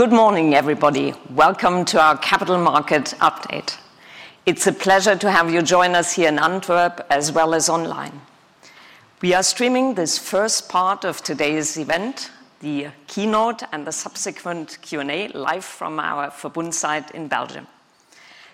Good morning, everybody. Welcome to our Capital Markets Update. It's a pleasure to have you join us here in Antwerp, as well as online. We are streaming this first part of today's event, the keynote and the subsequent Q&A, live from our Verbund site in Belgium.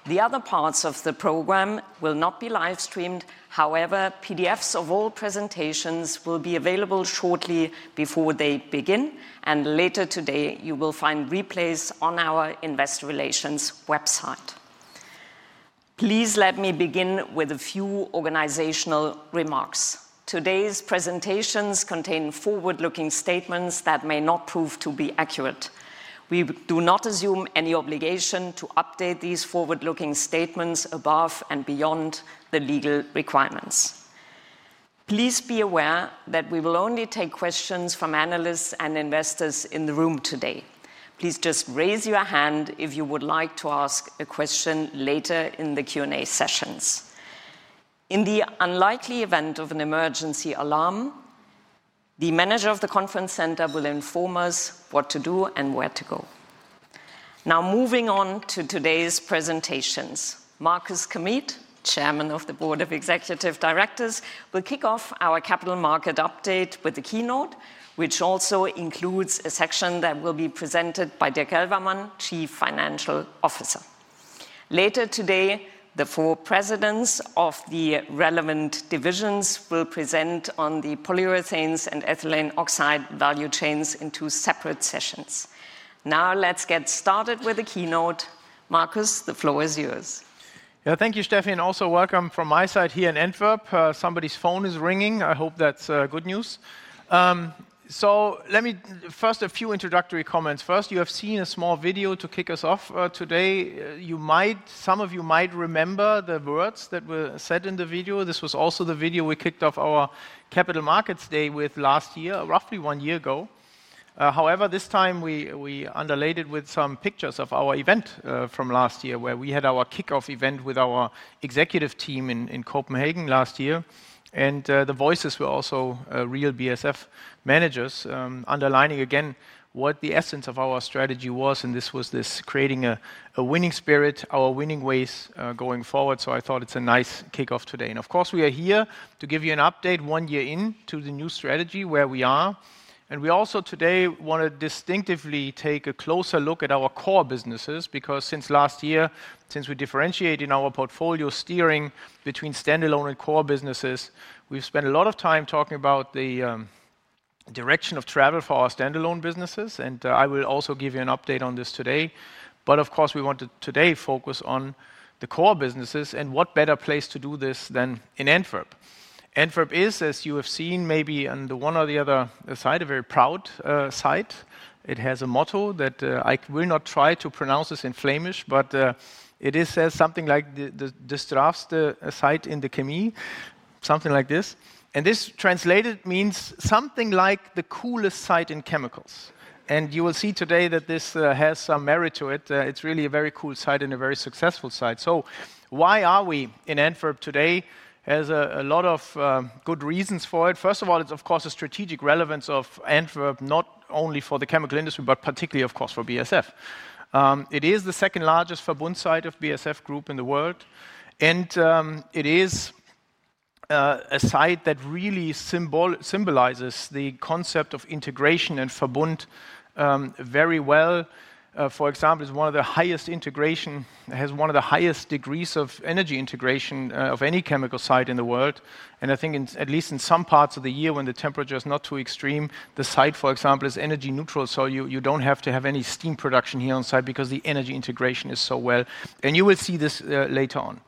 The other parts of the program will not be live streamed. However, PDFs of all presentations will be available shortly before they begin. Later today, you will find replays on our Investor Relations website. Please let me begin with a few organizational remarks. Today's presentations contain forward-looking statements that may not prove to be accurate. We do not assume any obligation to update these forward-looking statements above and beyond the legal requirements. Please be aware that we will only take questions from analysts and investors in the room today. Please just raise your hand if you would like to ask a question later in the Q&A sessions. In the unlikely event of an emergency alarm, the manager of the conference center will inform us what to do and where to go. Now, moving on to today's presentations. Markus Kamieth, Chairman of the Board of Executive Directors, will kick off our Capital Markets update with a keynote, which also includes a section that will be presented by Dirk Elvermann, Chief Financial Officer. Later today, the four presidents of the relevant divisions will present on the polyurethanes and ethylene oxide value chains in two separate sessions. Now, let's get started with the keynote. Markus, the floor is yours. Thank you, Stefanie. Also, welcome from my side here in Antwerp. Somebody's phone is ringing. I hope that's good news. Let me first give a few introductory comments. First, you have seen a small video to kick us off today. Some of you might remember the words that were said in the video. This was also the video we kicked off our Capital Markets Day with last year, roughly one year ago. However, this time we underlayed it with some pictures of our event from last year, where we had our kickoff event with our executive team in Copenhagen last year. The voices were also real BASF managers, underlining again what the essence of our strategy was. This was creating a winning spirit, our winning ways going forward. I thought it's a nice kickoff today. Of course, we are here to give you an update one year into the new strategy, where we are. We also today want to distinctively take a closer look at our core businesses because since last year, since we differentiate in our portfolio steering between standalone and core businesses, we've spent a lot of time talking about the direction of travel for our standalone businesses. I will also give you an update on this today. Of course, we want to today focus on the core businesses. What better place to do this than in Antwerp? Antwerp is, as you have seen, maybe on the one or the other side, a very proud site. It has a motto that I will not try to pronounce in Flemish, but it says something like: "De straffste site in de chemie." Something like this. This translated means something like the coolest site in chemicals. You will see today that this has some merit to it. It's really a very cool site and a very successful site. Why are we in Antwerp today? It has a lot of good reasons for it. First of all, it's, of course, the strategic relevance of Antwerp, not only for the chemical industry, but particularly, of course, for BASF. It is the second largest Verbund site of the BASF group in the world. It is a site that really symbolizes the concept of integration and Verbund very well. For example, it has one of the highest degrees of energy integration of any chemical site in the world. I think at least in some parts of the year when the temperature is not too extreme, the site, for example, is energy neutral. You don't have to have any steam production here on site because the energy integration is so well. You will see this later on.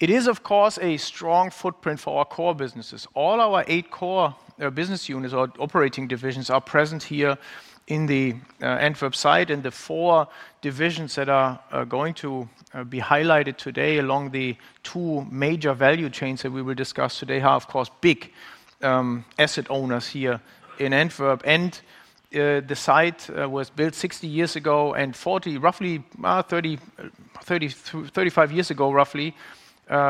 It is, of course, a strong footprint for our core businesses. All our eight core business units or operating divisions are present here in the Antwerp site. The four divisions that are going to be highlighted today along the two major value chains that we will discuss today are, of course, big asset owners here in Antwerp. The site was built 60 years ago and roughly 30, 35 years ago,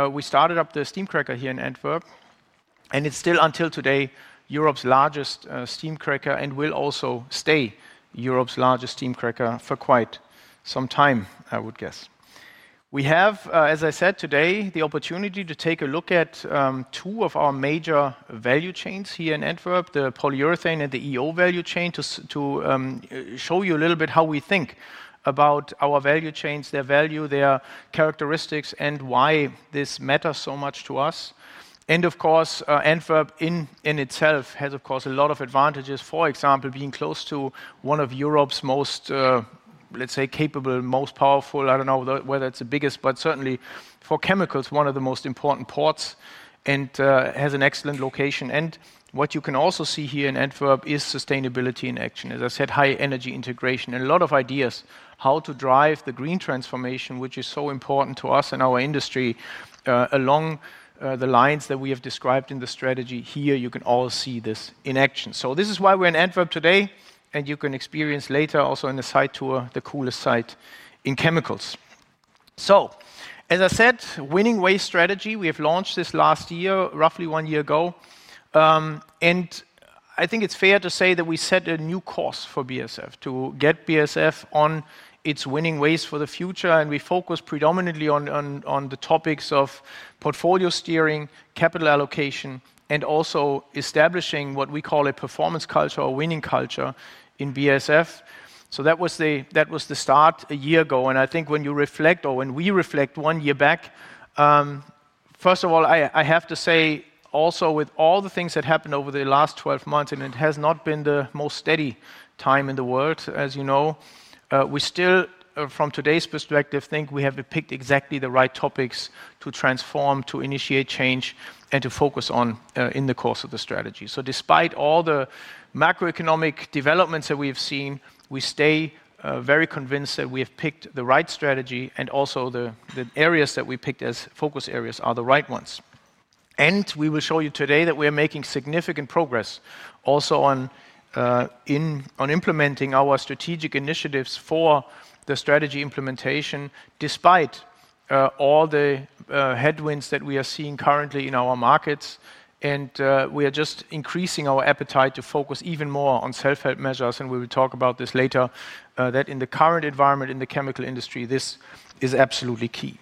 we started up the steam cracker here in Antwerp. It is still, until today, Europe's largest steam cracker and will also stay Europe's largest steam cracker for quite some time, I would guess. We have, as I said, today the opportunity to take a look at two of our major value chains here in Antwerp, the polyurethanes and the ethylene oxide value chain, to show you a little bit how we think about our value chains, their value, their characteristics, and why this matters so much to us. Antwerp in itself has, of course, a lot of advantages. For example, being close to one of Europe's most, let's say, capable, most powerful, I don't know whether it's the biggest, but certainly for chemicals, one of the most important ports and has an excellent location. What you can also see here in Antwerp is sustainability in action. As I said, high energy integration and a lot of ideas how to drive the green transformation, which is so important to us and our industry along the lines that we have described in the strategy. Here, you can all see this in action. This is why we're in Antwerp today. You can experience later also on a site tour the coolest site in chemicals. As I said, winning ways strategy, we have launched this last year, roughly one year ago. I think it's fair to say that we set a new course for BASF to get BASF on its winning ways for the future. We focus predominantly on the topics of portfolio steering, capital allocation, and also establishing what we call a performance culture or winning culture in BASF. That was the start a year ago. I think when you reflect or when we reflect one year back, first of all, I have to say also with all the things that happened over the last 12 months, and it has not been the most steady time in the world, as you know, we still, from today's perspective, think we have picked exactly the right topics to transform, to initiate change, and to focus on in the course of the strategy. Despite all the macroeconomic developments that we have seen, we stay very convinced that we have picked the right strategy. Also, the areas that we picked as focus areas are the right ones. We will show you today that we are making significant progress on implementing our strategic initiatives for the strategy implementation, despite all the headwinds that we are seeing currently in our markets. We are just increasing our appetite to focus even more on self-help measures. We will talk about this later, that in the current environment in the chemical industry, this is absolutely key.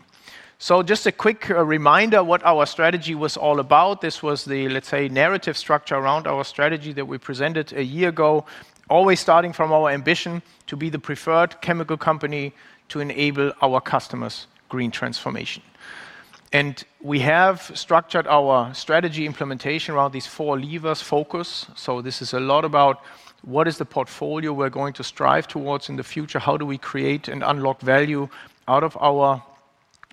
Just a quick reminder of what our strategy was all about. This was the, let's say, narrative structure around our strategy that we presented a year ago, always starting from our ambition to be the preferred chemical company to enable our customers' green transformation. We have structured our strategy implementation around these four levers: focus. This is a lot about what is the portfolio we're going to strive towards in the future. How do we create and unlock value out of our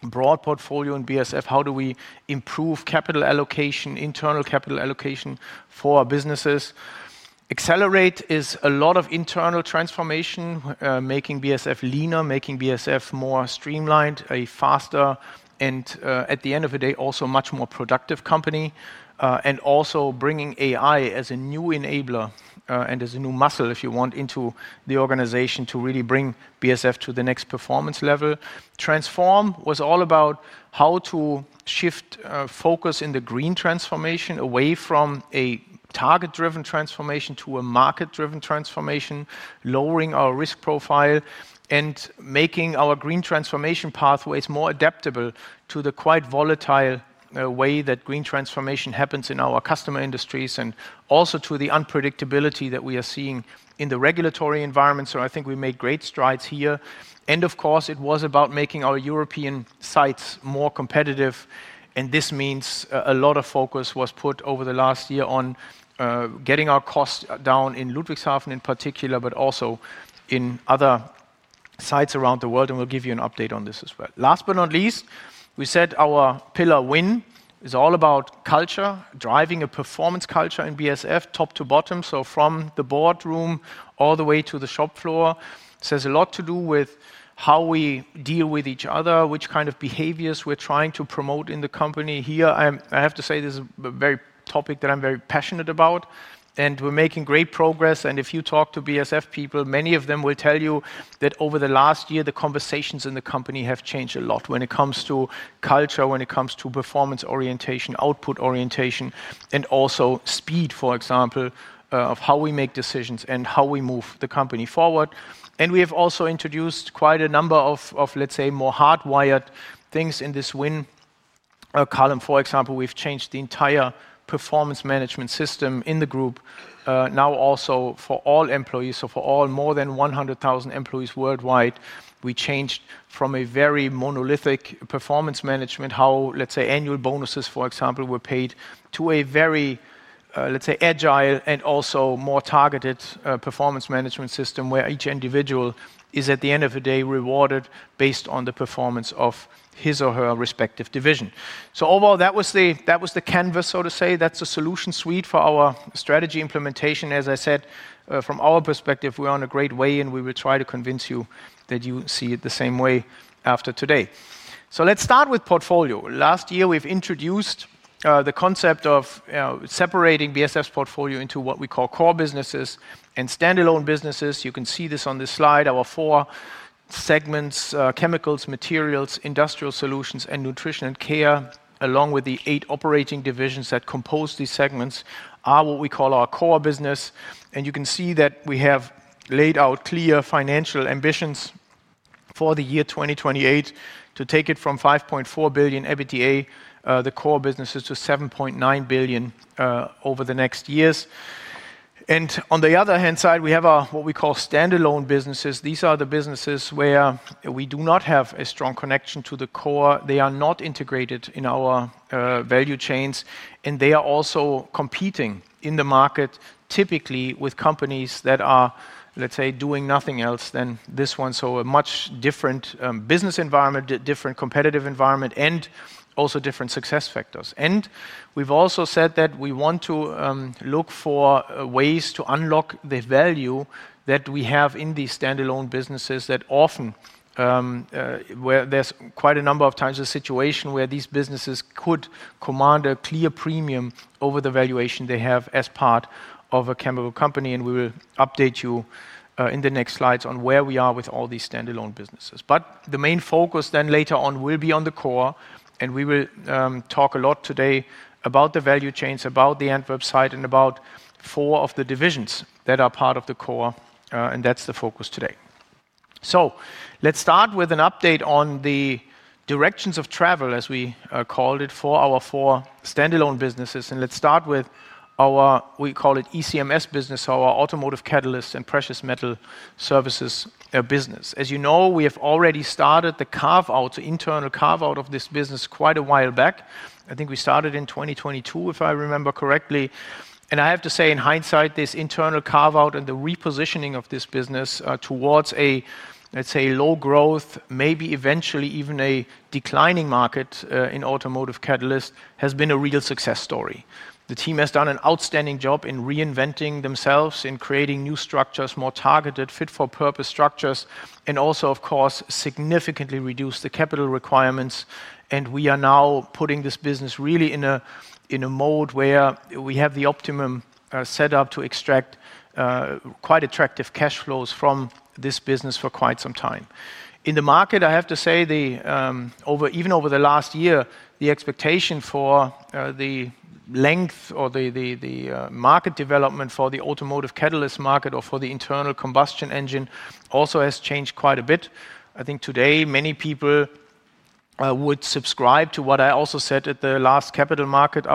broad portfolio in BASF? How do we improve capital allocation, internal capital allocation for businesses? Accelerate is a lot of internal transformation, making BASF leaner, making BASF more streamlined, faster, and at the end of the day, also a much more productive company. Also, bringing AI as a new enabler and as a new muscle, if you want, into the organization to really bring BASF to the next performance level. Transform was all about how to shift focus in the green transformation away from a target-driven transformation to a market-driven transformation, lowering our risk profile, and making our green transformation pathways more adaptable to the quite volatile way that green transformation happens in our customer industries, and also to the unpredictability that we are seeing in the regulatory environment. I think we made great strides here. Of course, it was about making our European sites more competitive. This means a lot of focus was put over the last year on getting our costs down in Ludwigshafen in particular, but also in other sites around the world. We will give you an update on this as well. Last but not least, we said our pillar win is all about culture, driving a performance culture in BASF, top to bottom. From the boardroom all the way to the shop floor, it has a lot to do with how we deal with each other, which kind of behaviors we're trying to promote in the company. I have to say this is a topic that I'm very passionate about. We're making great progress. If you talk to BASF people, many of them will tell you that over the last year, the conversations in the company have changed a lot when it comes to culture, performance orientation, output orientation, and also speed, for example, of how we make decisions and how we move the company forward. We have also introduced quite a number of, let's say, more hardwired things in this win column. For example, we've changed the entire performance management system in the group, now also for all employees. For all more than 100,000 employees worldwide, we changed from a very monolithic performance management, how, let's say, annual bonuses, for example, were paid to a very, let's say, agile and also more targeted performance management system where each individual is, at the end of the day, rewarded based on the performance of his or her respective division. Overall, that was the canvas, so to say. That's the solution suite for our strategy implementation. As I said, from our perspective, we're on a great way. We will try to convince you that you see it the same way after today. Let's start with portfolio. Last year, we've introduced the concept of separating BASF's portfolio into what we call core businesses and standalone businesses. You can see this on this slide. Our four segments: chemicals, materials, industrial solutions, and nutrition and care, along with the eight operating divisions that compose these segments, are what we call our core business. You can see that we have laid out clear financial ambitions for the year 2028 to take it from 5.4 billion EBITDA, the core businesses, to 7.9 billion over the next years. On the other hand side, we have what we call standalone businesses. These are the businesses where we do not have a strong connection to the core. They are not integrated in our value chains. They are also competing in the market, typically with companies that are, let's say, doing nothing else than this one. A much different business environment, a different competitive environment, and also different success factors. We have also said that we want to look for ways to unlock the value that we have in these standalone businesses that often, where there's quite a number of times a situation where these businesses could command a clear premium over the valuation they have as part of a chemical company. We will update you in the next slides on where we are with all these standalone businesses. The main focus later on will be on the core. We will talk a lot today about the value chains, about the Antwerp site, and about four of the divisions that are part of the core. That's the focus today. Let's start with an update on the directions of travel, as we called it, for our four standalone businesses. Let's start with our, we call it ECMS business, our automotive catalyst and precious metal services business. As you know, we have already started the carve-out, the internal carve-out of this business quite a while back. I think we started in 2022, if I remember correctly. I have to say, in hindsight, this internal carve-out and the repositioning of this business towards a, let's say, low growth, maybe eventually even a declining market in automotive catalysts has been a real success story. The team has done an outstanding job in reinventing themselves, in creating new structures, more targeted, fit-for-purpose structures, and also, of course, significantly reduced the capital requirements. We are now putting this business really in a mode where we have the optimum set up to extract quite attractive cash flows from this business for quite some time. In the market, I have to say, even over the last year, the expectation for the length or the market development for the automotive catalyst market or for the internal combustion engine also has changed quite a bit. I think today many people would subscribe to what I also said at the last Capital Market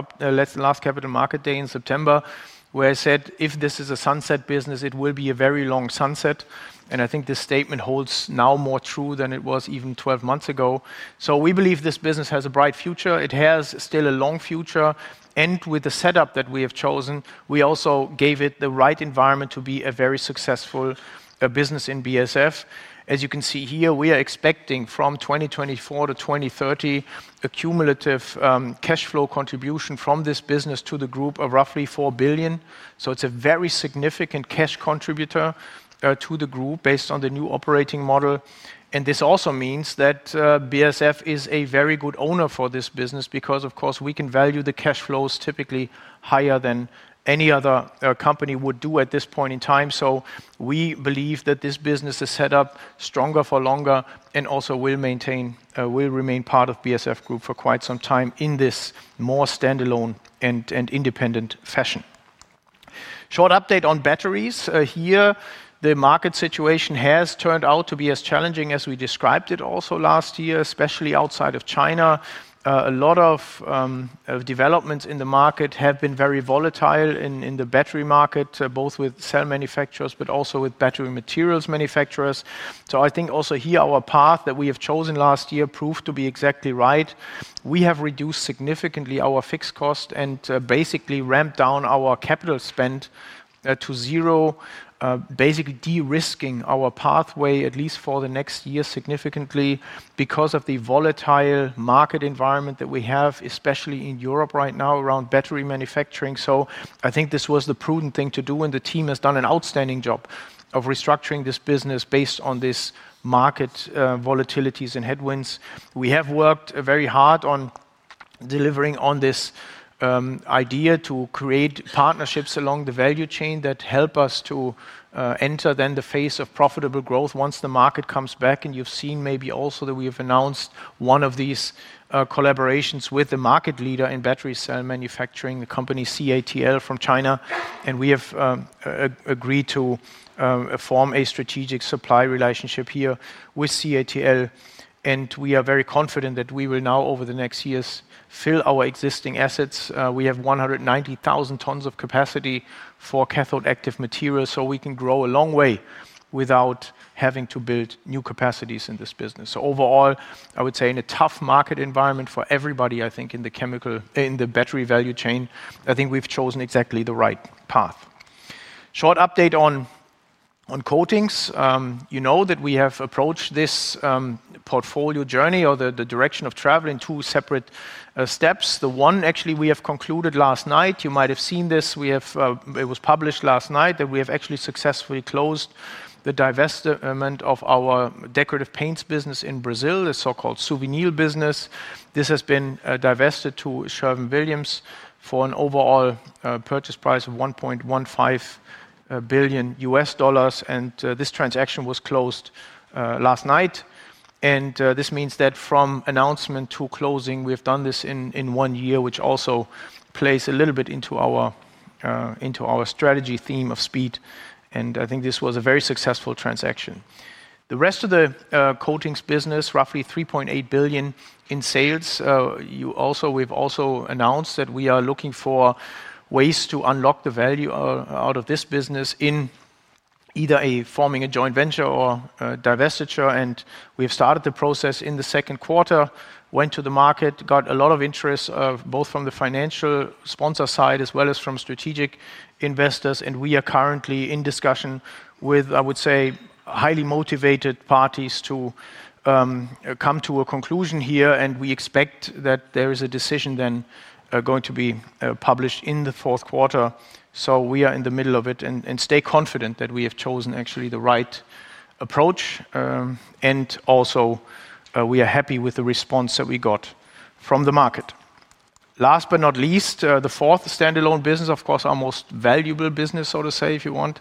Day in September, where I said if this is a sunset business, it will be a very long sunset. I think this statement holds now more true than it was even 12 months ago. We believe this business has a bright future. It has still a long future. With the setup that we have chosen, we also gave it the right environment to be a very successful business in BASF. As you can see here, we are expecting from 2024 to 2030 a cumulative cash flow contribution from this business to the group of roughly 4 billion. It's a very significant cash contributor to the group based on the new operating model. This also means that BASF is a very good owner for this business because, of course, we can value the cash flows typically higher than any other company would do at this point in time. We believe that this business is set up stronger for longer and also will remain part of BASF Group for quite some time in this more standalone and independent fashion. Short update on batteries. Here, the market situation has turned out to be as challenging as we described it also last year, especially outside of China. A lot of developments in the market have been very volatile in the battery market, both with cell manufacturers and with battery materials manufacturers. I think also here our path that we have chosen last year proved to be exactly right. We have reduced significantly our fixed cost and basically ramped down our capital spend to zero, basically de-risking our pathway at least for the next year significantly because of the volatile market environment that we have, especially in Europe right now around battery manufacturing. I think this was the prudent thing to do. The team has done an outstanding job of restructuring this business based on these market volatilities and headwinds. We have worked very hard on delivering on this idea to create partnerships along the value chain that help us to enter the phase of profitable growth once the market comes back. You have seen maybe also that we have announced one of these collaborations with the market leader in battery cell manufacturing, the company CATL from China. We have agreed to form a strategic supply relationship here with CATL. We are very confident that we will now, over the next years, fill our existing assets. We have 190,000 tons of capacity for cathode active materials. We can grow a long way without having to build new capacities in this business. Overall, I would say in a tough market environment for everybody, in the chemical, in the battery value chain, I think we've chosen exactly the right path. Short update on coatings. You know that we have approached this portfolio journey or the direction of travel in two separate steps. The one actually we have concluded last night. You might have seen this. It was published last night that we have actually successfully closed the divestment of our decorative paints business in Brazil, the so-called souvenir business. This has been divested to Sherwin-Williams for an overall purchase price of $1.15 billion. This transaction was closed last night. This means that from announcement to closing, we have done this in one year, which also plays a little bit into our strategy theme of speed. I think this was a very successful transaction. The rest of the coatings business, roughly 3.8 billion in sales, we've also announced that we are looking for ways to unlock the value out of this business in either forming a joint venture or divestiture. We've started the process in the second quarter, went to the market, got a lot of interest both from the financial sponsor side as well as from strategic investors. We are currently in discussion with, I would say, highly motivated parties to come to a conclusion here. We expect that there is a decision then going to be published in the fourth quarter. We are in the middle of it and stay confident that we have chosen actually the right approach. We are happy with the response that we got from the market. Last but not least, the fourth standalone business, of course, our most valuable business, so to say, if you want.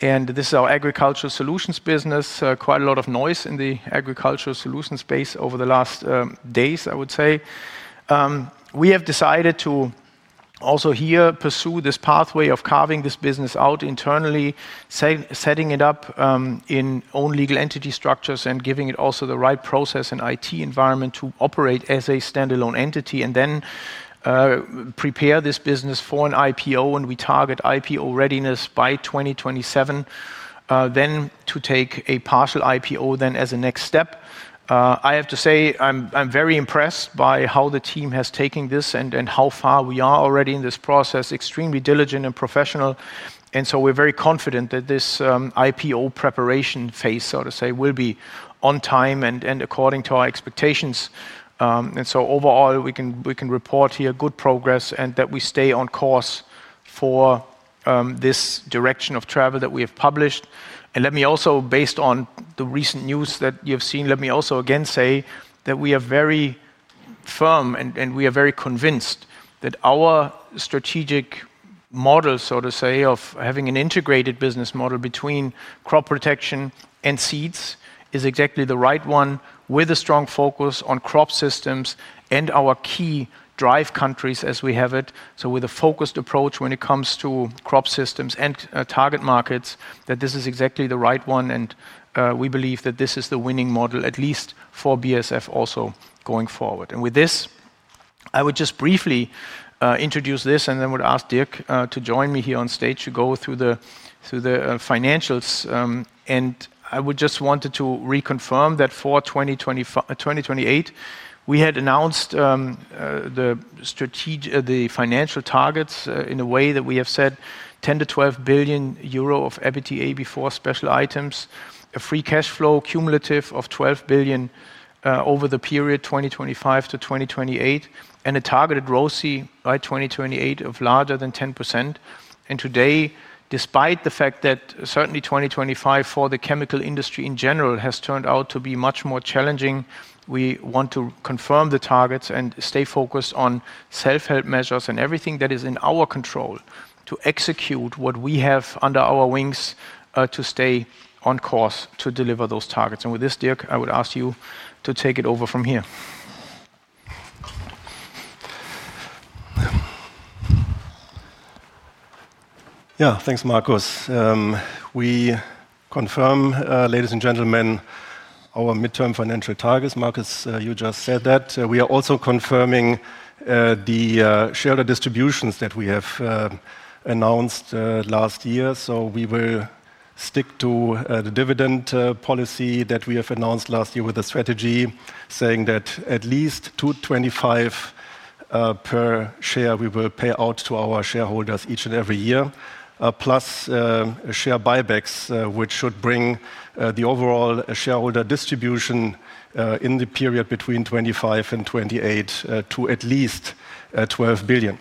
This is our agricultural solutions business. Quite a lot of noise in the agricultural solutions space over the last days, I would say. We have decided to also here pursue this pathway of carving this business out internally, setting it up in own legal entity structures and giving it also the right process and IT environment to operate as a standalone entity, and then prepare this business for an IPO. We target IPO readiness by 2027, then to take a partial IPO then as a next step. I have to say, I'm very impressed by how the team has taken this and how far we are already in this process, extremely diligent and professional. We are very confident that this IPO preparation phase, so to say, will be on time and according to our expectations. Overall, we can report here good progress and that we stay on course for this direction of travel that we have published. Let me also, based on the recent news that you've seen, say that we are very firm and we are very convinced that our strategic model, so to say, of having an integrated business model between crop protection and seeds is exactly the right one with a strong focus on crop systems and our key drive countries as we have it. With a focused approach when it comes to crop systems and target markets, this is exactly the right one. We believe that this is the winning model, at least for BASF also going forward. With this, I would just briefly introduce this and then would ask Dirk to join me here on stage to go through the financials. I just want to reconfirm that for 2028, we had announced the financial targets in a way that we have said 10 billion-12 billion euro of EBITDA before special items, a cumulative free cash flow of 12 billion over the period 2025 to 2028, and a targeted ROCI by 2028 of greater than 10%. Today, despite the fact that certainly 2025 for the chemical industry in general has turned out to be much more challenging, we want to confirm the targets and stay focused on self-help measures and everything that is in our control to execute what we have under our wings to stay on course to deliver those targets. With this, Dirk, I would ask you to take it over from here. Yeah, thanks, Markus. We confirm, ladies and gentlemen, our midterm financial targets. Markus, you just said that. We are also confirming the share distributions that we have announced last year. We will stick to the dividend policy that we have announced last year with a strategy saying that at least 2.25 per share we will pay out to our shareholders each and every year, plus share buybacks, which should bring the overall shareholder distribution in the period between 2025 and 2028 to at least 12 billion.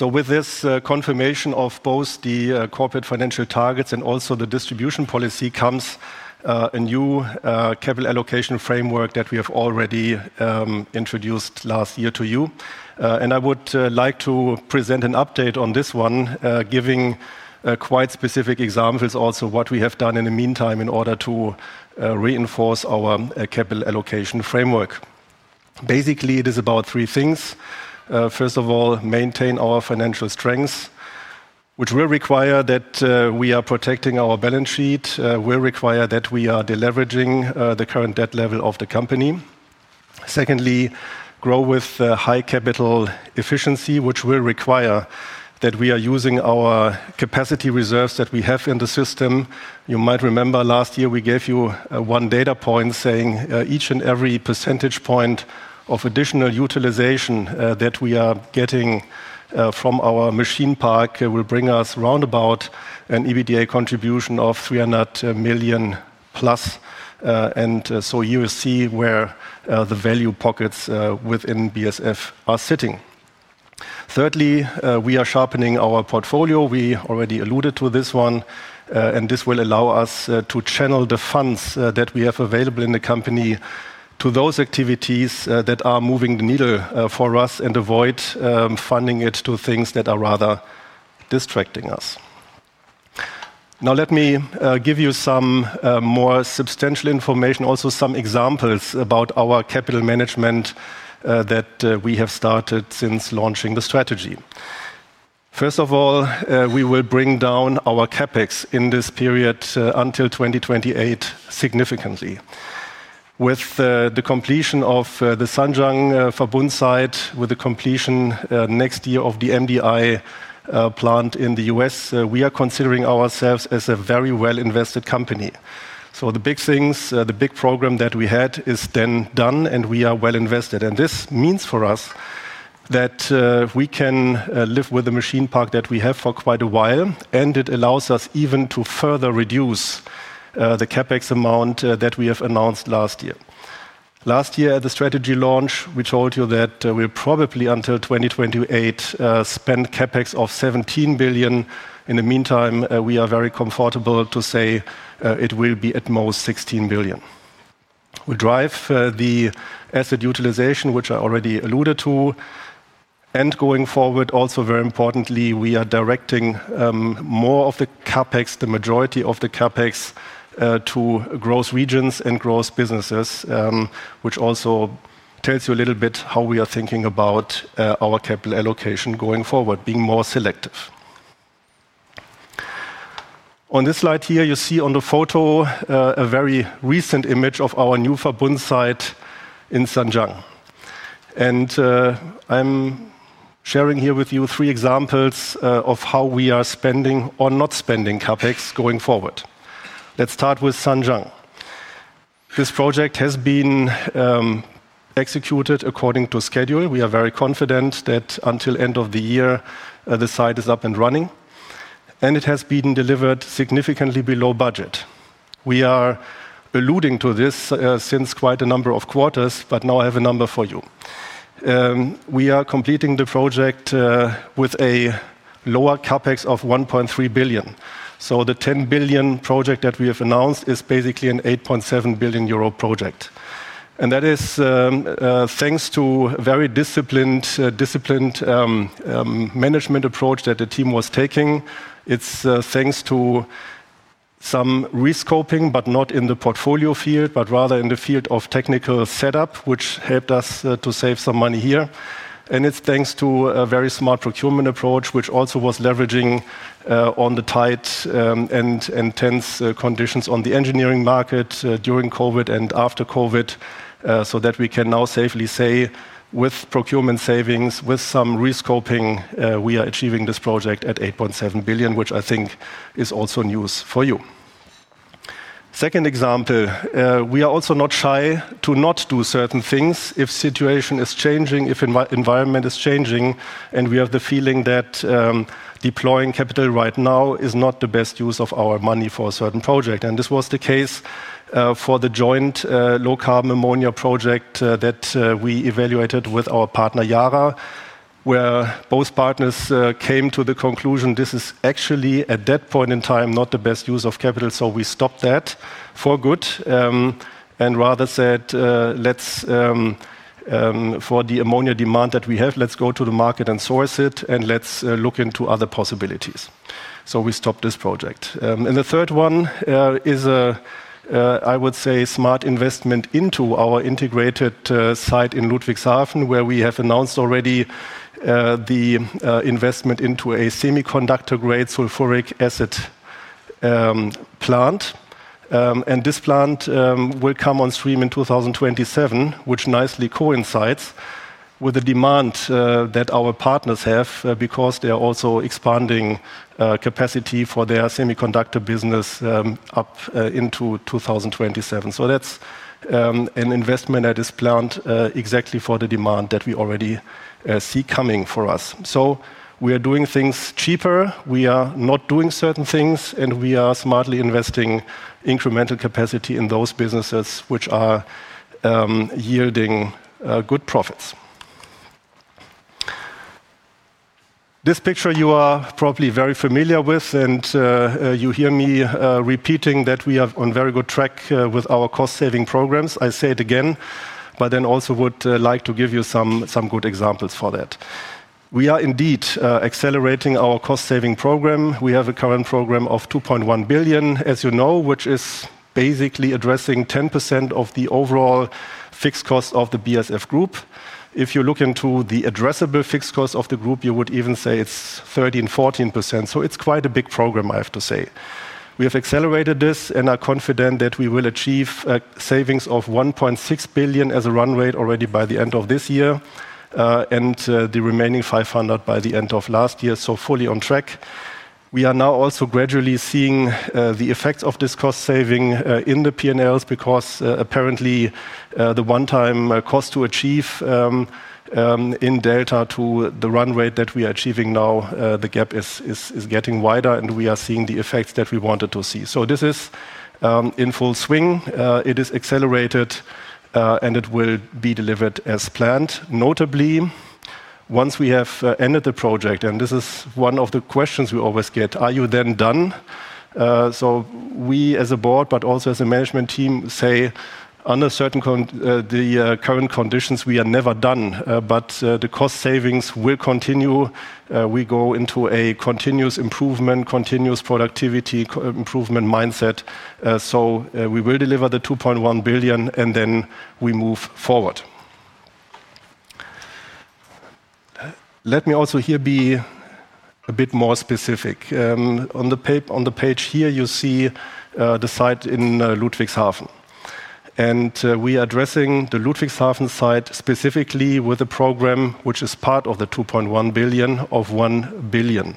With this confirmation of both the corporate financial targets and also the distribution policy comes a new capital allocation framework that we have already introduced last year to you. I would like to present an update on this one, giving quite specific examples also of what we have done in the meantime in order to reinforce our capital allocation framework. Basically, it is about three things. First of all, maintain our financial strengths, which will require that we are protecting our balance sheet, will require that we are deleveraging the current debt level of the company. Secondly, grow with high capital efficiency, which will require that we are using our capacity reserves that we have in the system. You might remember last year we gave you one data point saying each and every percentage point of additional utilization that we are getting from our machine park will bring us around about an EBITDA contribution of 300 million plus. You will see where the value pockets within BASF are sitting. Thirdly, we are sharpening our portfolio. We already alluded to this one. This will allow us to channel the funds that we have available in the company to those activities that are moving the needle for us and avoid funding it to things that are rather distracting us. Now, let me give you some more substantial information, also some examples about our capital management that we have started since launching the strategy. First of all, we will bring down our CapEx in this period until 2028 significantly. With the completion of the Zhanjiang Verbund site, with the completion next year of the MDI plant in the U.S., we are considering ourselves as a very well-invested company. The big things, the big program that we had is then done and we are well invested. This means for us that we can live with the machine park that we have for quite a while. It allows us even to further reduce the CapEx amount that we have announced last year. Last year at the strategy launch, we told you that we'll probably until 2028 spend CapEx of 17 billion. In the meantime, we are very comfortable to say it will be at most EUR $16 billion. We drive the asset utilization, which I already alluded to. Going forward, also very importantly, we are directing more of the CapEx, the majority of the CapEx to growth regions and growth businesses, which also tells you a little bit how we are thinking about our capital allocation going forward, being more selective. On this slide here, you see on the photo a very recent image of our new Verbund site in Zhanjiang. I'm sharing here with you three examples of how we are spending or not spending CapEx going forward. Let's start with Zhanjiang. This project has been executed according to schedule. We are very confident that until the end of the year, the site is up and running. It has been delivered significantly below budget. We are alluding to this since quite a number of quarters, but now I have a number for you. We are completing the project with a lower CapEx of 1.3 billion. The 10 billion project that we have announced is basically an 8.7 billion euro project. That is thanks to a very disciplined management approach that the team was taking. It's thanks to some rescoping, not in the portfolio field, but rather in the field of technical setup, which helped us to save some money here. It's thanks to a very smart procurement approach, which also was leveraging on the tight and tense conditions on the engineering market during COVID and after COVID, so that we can now safely say with procurement savings and some rescoping, we are achieving this project at 8.7 billion, which I think is also news for you. A second example, we are also not shy to not do certain things if the situation is changing, if the environment is changing, and we have the feeling that deploying capital right now is not the best use of our money for a certain project. This was the case for the joint low-carbon ammonia project that we evaluated with our partner Yara, where both partners came to the conclusion this is actually at that point in time not the best use of capital. We stopped that for good and rather said for the ammonia demand that we have, let's go to the market and source it and let's look into other possibilities. We stopped this project. The third one is a smart investment into our integrated site in Ludwigshafen, where we have announced already the investment into a semiconductor-grade sulfuric acid plant. This plant will come on stream in 2027, which nicely coincides with the demand that our partners have because they are also expanding capacity for their semiconductor business up into 2027. That's an investment that is planned exactly for the demand that we already see coming for us. We are doing things cheaper. We are not doing certain things. We are smartly investing incremental capacity in those businesses which are yielding good profits. This picture you are probably very familiar with. You hear me repeating that we are on very good track with our cost-saving programs. I say it again, but then also would like to give you some good examples for that. We are indeed accelerating our cost-saving program. We have a current program of 2.1 billion, as you know, which is basically addressing 10% of the overall fixed cost of the BASF group. If you look into the addressable fixed cost of the group, you would even say it's 13%, 14%. It's quite a big program, I have to say. We have accelerated this and are confident that we will achieve savings of 1.6 billion as a run rate already by the end of this year and the remaining 500 million by the end of last year. Fully on track. We are now also gradually seeing the effects of this cost saving in the P&Ls because apparently the one-time cost to achieve in delta to the run rate that we are achieving now, the gap is getting wider and we are seeing the effects that we wanted to see. This is in full swing. It is accelerated and it will be delivered as planned. Notably, once we have ended the project, and this is one of the questions we always get, are you then done? We as a board, but also as a management team, say under certain current conditions, we are never done, but the cost savings will continue. We go into a continuous improvement, continuous productivity improvement mindset. We will deliver the 2.1 billion and then we move forward. Let me also here be a bit more specific. On the page here, you see the site in Ludwigshafen. We are addressing the Ludwigshafen site specifically with a program which is part of the 2.1 billion of EUR $1 billion.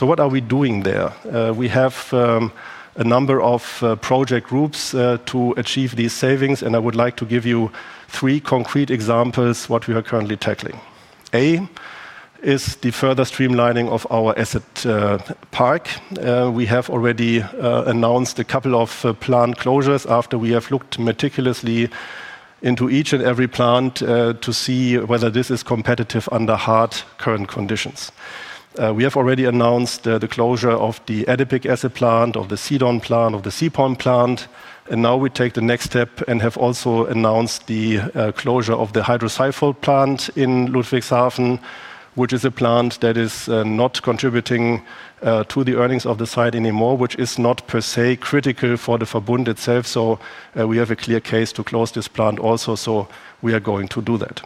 What are we doing there? We have a number of project groups to achieve these savings. I would like to give you three concrete examples of what we are currently tackling. A is the further streamlining of our asset park. We have already announced a couple of planned closures after we have looked meticulously into each and every plant to see whether this is competitive under hard current conditions. We have already announced the closure of the Adipic acid plant, of the Sedon plant, of the Seapalm plant. Now we take the next step and have also announced the closure of the Hydrocyphal plant in Ludwigshafen, which is a plant that is not contributing to the earnings of the site anymore, which is not per se critical for the Verbund model itself. We have a clear case to close this plant also. We are going to do that.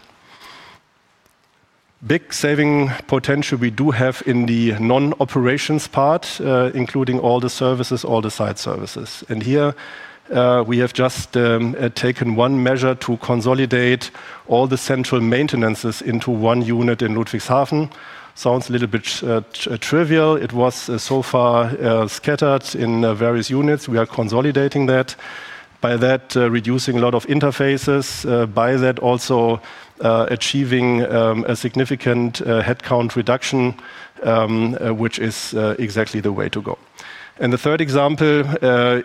Big saving potential we do have in the non-operations part, including all the services, all the site services. Here, we have just taken one measure to consolidate all the central maintenances into one unit in Ludwigshafen. Sounds a little bit trivial. It was so far scattered in various units. We are consolidating that. By that, reducing a lot of interfaces. By that, also achieving a significant headcount reduction, which is exactly the way to go. The third example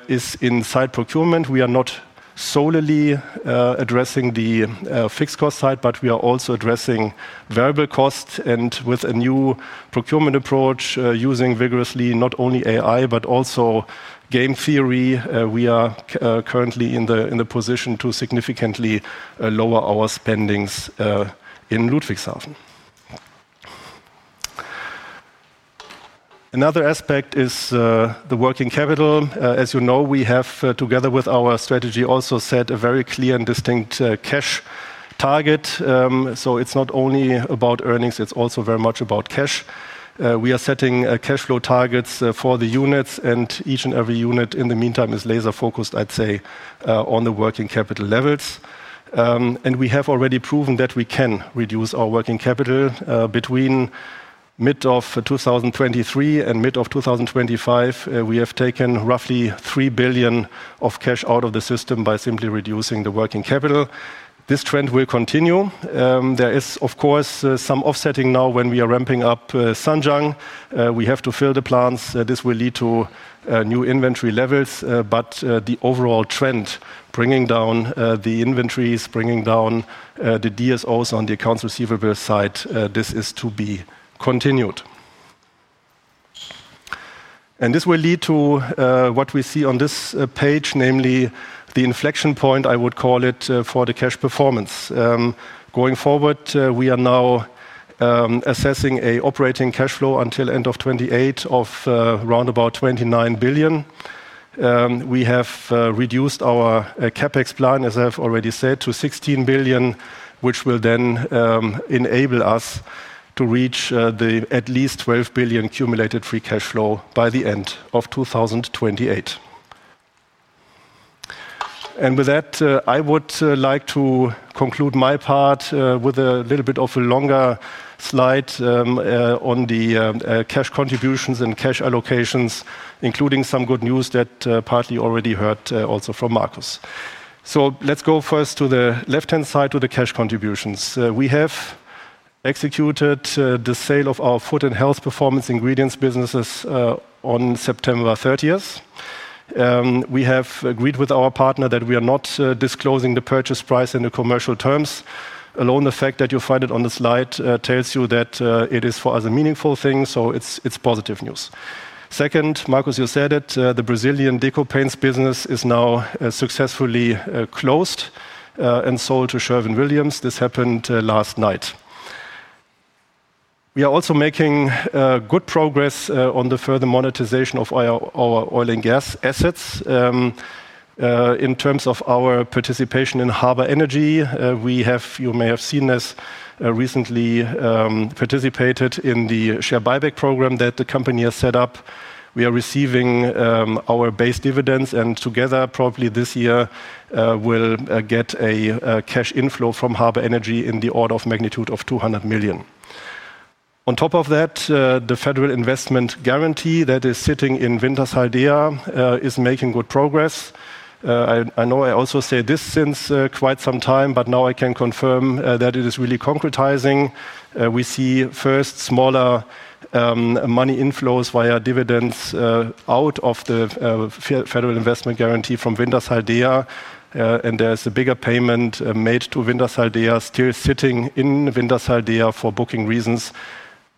is in site procurement. We are not solely addressing the fixed cost side, but we are also addressing variable cost. With a new procurement approach, using vigorously not only AI, but also game theory, we are currently in the position to significantly lower our spendings in Ludwigshafen. Another aspect is the working capital. As you know, we have, together with our strategy, also set a very clear and distinct cash target. It's not only about earnings, it's also very much about cash. We are setting cash flow targets for the units, and each and every unit in the meantime is laser-focused, I'd say, on the working capital levels. We have already proven that we can reduce our working capital. Between mid 2023 and mid 2025, we have taken roughly 3 billion of cash out of the system by simply reducing the working capital. This trend will continue. There is, of course, some offsetting now when we are ramping up Zhanjiang. We have to fill the plants. This will lead to new inventory levels. The overall trend, bringing down the inventories, bringing down the DSOs on the accounts receivable side, this is to be continued. This will lead to what we see on this page, namely the inflection point, I would call it, for the cash performance. Going forward, we are now assessing an operating cash flow until the end of 2028 of around 29 billion. We have reduced our CapEx plan, as I've already said, to 16 billion, which will then enable us to reach at least 12 billion cumulative free cash flow by the end of 2028. With that, I would like to conclude my part with a little bit of a longer slide on the cash contributions and cash allocations, including some good news that you partly already heard also from Markus. Let's go first to the left-hand side to the cash contributions. We have executed the sale of our food and health performance ingredients businesses on September 30. We have agreed with our partner that we are not disclosing the purchase price and the commercial terms. Alone, the fact that you find it on the slide tells you that it is for other meaningful things. It's positive news. Markus, you said it, the Brazilian decorative paints business is now successfully closed and sold to Sherwin-Williams. This happened last night. We are also making good progress on the further monetization of our oil and gas assets. In terms of our participation in Harbor Energy, we have, you may have seen this, recently participated in the share buyback program that the company has set up. We are receiving our base dividends. Together, probably this year, we'll get a cash inflow from Harbor Energy in the order of magnitude of 200 million. On top of that, the federal investment guarantee that is sitting in Wintershall Dea is making good progress. I know I also say this since quite some time, but now I can confirm that it is really concretizing. We see first smaller money inflows via dividends out of the federal investment guarantee from Wintershall Dea. There is a bigger payment made to Wintershall Dea, still sitting in Wintershall Dea for booking reasons.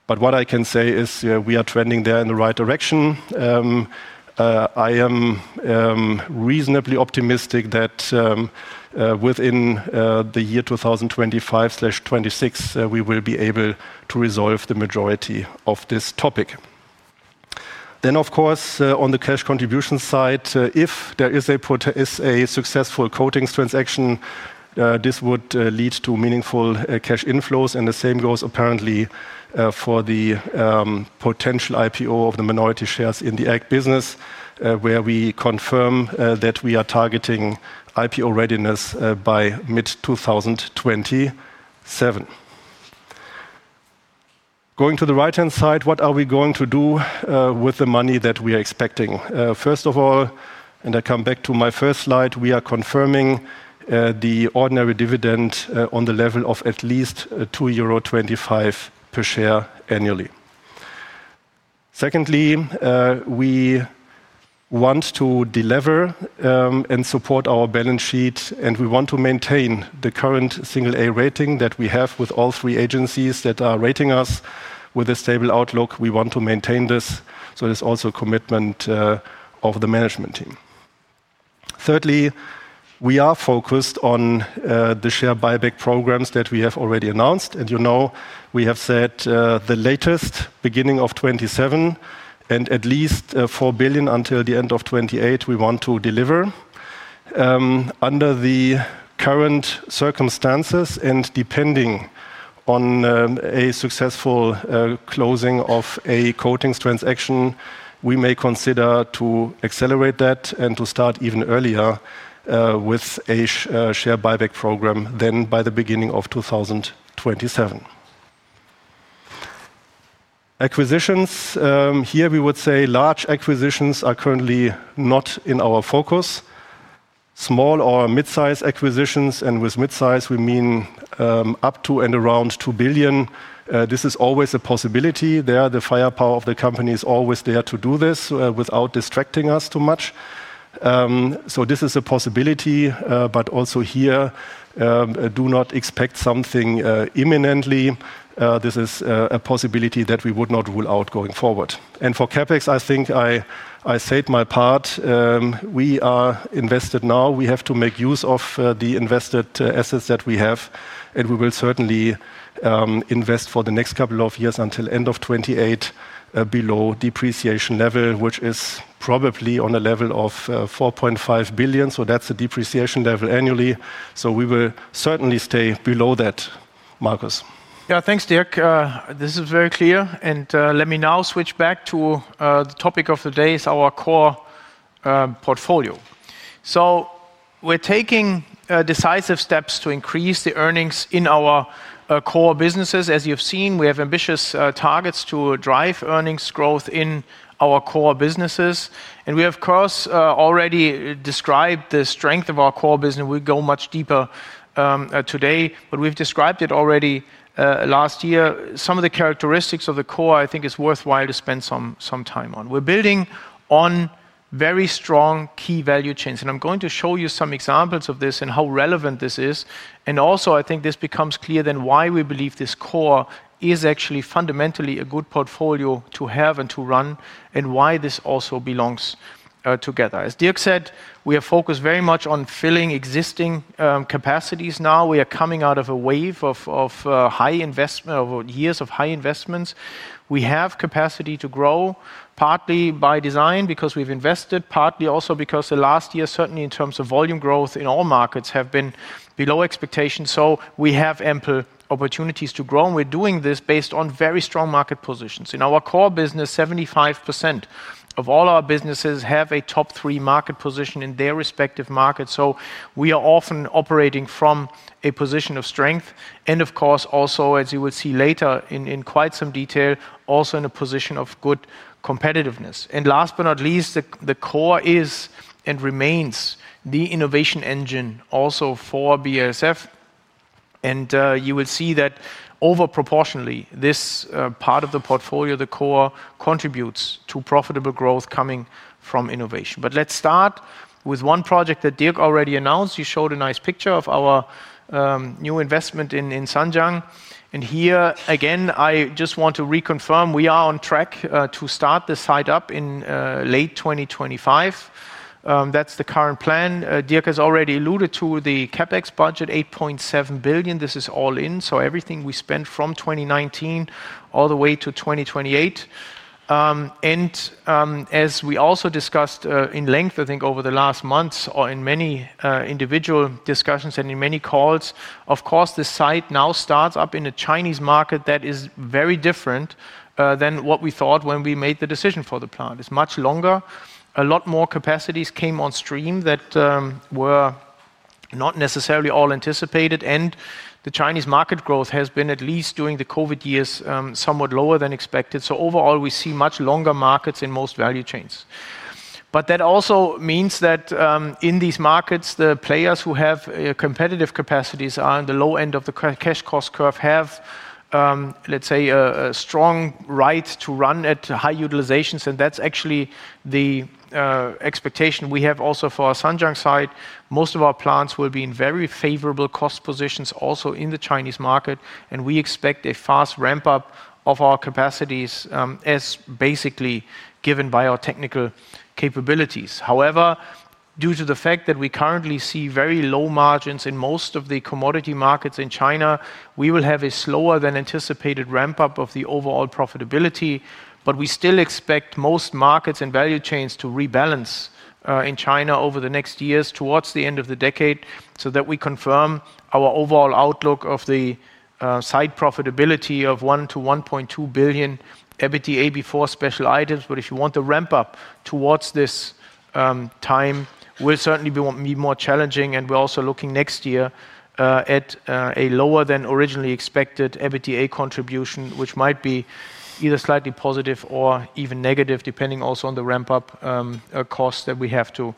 What I can say is we are trending there in the right direction. I am reasonably optimistic that within the year 2025-2026, we will be able to resolve the majority of this topic. Of course, on the cash contribution side, if there is a successful coatings transaction, this would lead to meaningful cash inflows. The same goes apparently for the potential IPO of the minority shares in the AG business, where we confirm that we are targeting IPO readiness by mid-2027. Going to the right-hand side, what are we going to do with the money that we are expecting? First of all, and I come back to my first slide, we are confirming the ordinary dividend on the level of at least 2.25 euro per share annually. Secondly, we want to deliver and support our balance sheet. We want to maintain the current single A rating that we have with all three agencies that are rating us with a stable outlook. We want to maintain this. There is also a commitment of the management team. Thirdly, we are focused on the share buyback programs that we have already announced. You know, we have said the latest beginning of 2027 and at least 4 billion until the end of 2028, we want to deliver. Under the current circumstances and depending on a successful closing of a coatings transaction, we may consider to accelerate that and to start even earlier with a share buyback program than by the beginning of 2027. Acquisitions, here we would say large acquisitions are currently not in our focus. Small or mid-size acquisitions, and with mid-size, we mean up to and around 2 billion. This is always a possibility. The firepower of the company is always there to do this without distracting us too much. This is a possibility, but also here, do not expect something imminently. This is a possibility that we would not rule out going forward. For CapEx, I think I said my part. We are invested now. We have to make use of the invested assets that we have. We will certainly invest for the next couple of years until the end of 2028 below the depreciation level, which is probably on a level of 4.5 billion. That's the depreciation level annually. We will certainly stay below that, Markus. Yeah, thanks, Dirk. This is very clear. Let me now switch back to the topic of the day, our core portfolio. We're taking decisive steps to increase the earnings in our core businesses. As you've seen, we have ambitious targets to drive earnings growth in our core businesses. We have, of course, already described the strength of our core business. We go much deeper today, but we've described it already last year. Some of the characteristics of the core, I think, are worthwhile to spend some time on. We're building on very strong key value chains. I'm going to show you some examples of this and how relevant this is. I think this becomes clear then why we believe this core is actually fundamentally a good portfolio to have and to run and why this also belongs together. As Dirk said, we are focused very much on filling existing capacities now. We are coming out of a wave of high investment, of years of high investments. We have capacity to grow partly by design because we've invested, partly also because the last year, certainly in terms of volume growth in all markets, have been below expectations. We have ample opportunities to grow. We're doing this based on very strong market positions. In our core business, 75% of all our businesses have a top three market position in their respective markets. We are often operating from a position of strength. As you will see later in quite some detail, also in a position of good competitiveness. Last but not least, the core is and remains the innovation engine also for BASF. You will see that over proportionally, this part of the portfolio, the core, contributes to profitable growth coming from innovation. Let's start with one project that Dirk already announced. You showed a nice picture of our new investment in Zhanjiang. Here again, I just want to reconfirm we are on track to start the site up in late 2025. That's the current plan. Dirk has already alluded to the CapEx budget, 8.7 billion. This is all in. Everything we spent from 2019 all the way to 2028. As we also discussed in length, I think over the last months or in many individual discussions and in many calls, the site now starts up in a Chinese market that is very different than what we thought when we made the decision for the plant. It's much longer. A lot more capacities came on stream that were not necessarily all anticipated. The Chinese market growth has been, at least during the COVID years, somewhat lower than expected. Overall, we see much longer markets in most value chains. That also means that in these markets, the players who have competitive capacities are on the low end of the cash cost curve and have, let's say, a strong right to run at high utilizations. That's actually the expectation we have also for our Zhanjiang site. Most of our plants will be in very favorable cost positions also in the Chinese market. We expect a fast ramp-up of our capacities as basically given by our technical capabilities. However, due to the fact that we currently see very low margins in most of the commodity markets in China, we will have a slower than anticipated ramp-up of the overall profitability. We still expect most markets and value chains to rebalance in China over the next years towards the end of the decade so that we confirm our overall outlook of the site profitability of 1 billion-EUR to $1.2 billion EBITDA before special items. If you want to ramp up towards this, the time will certainly be more challenging. We are also looking next year at a lower than originally expected EBITDA contribution, which might be either slightly positive or even negative, depending also on the ramp-up costs that we have to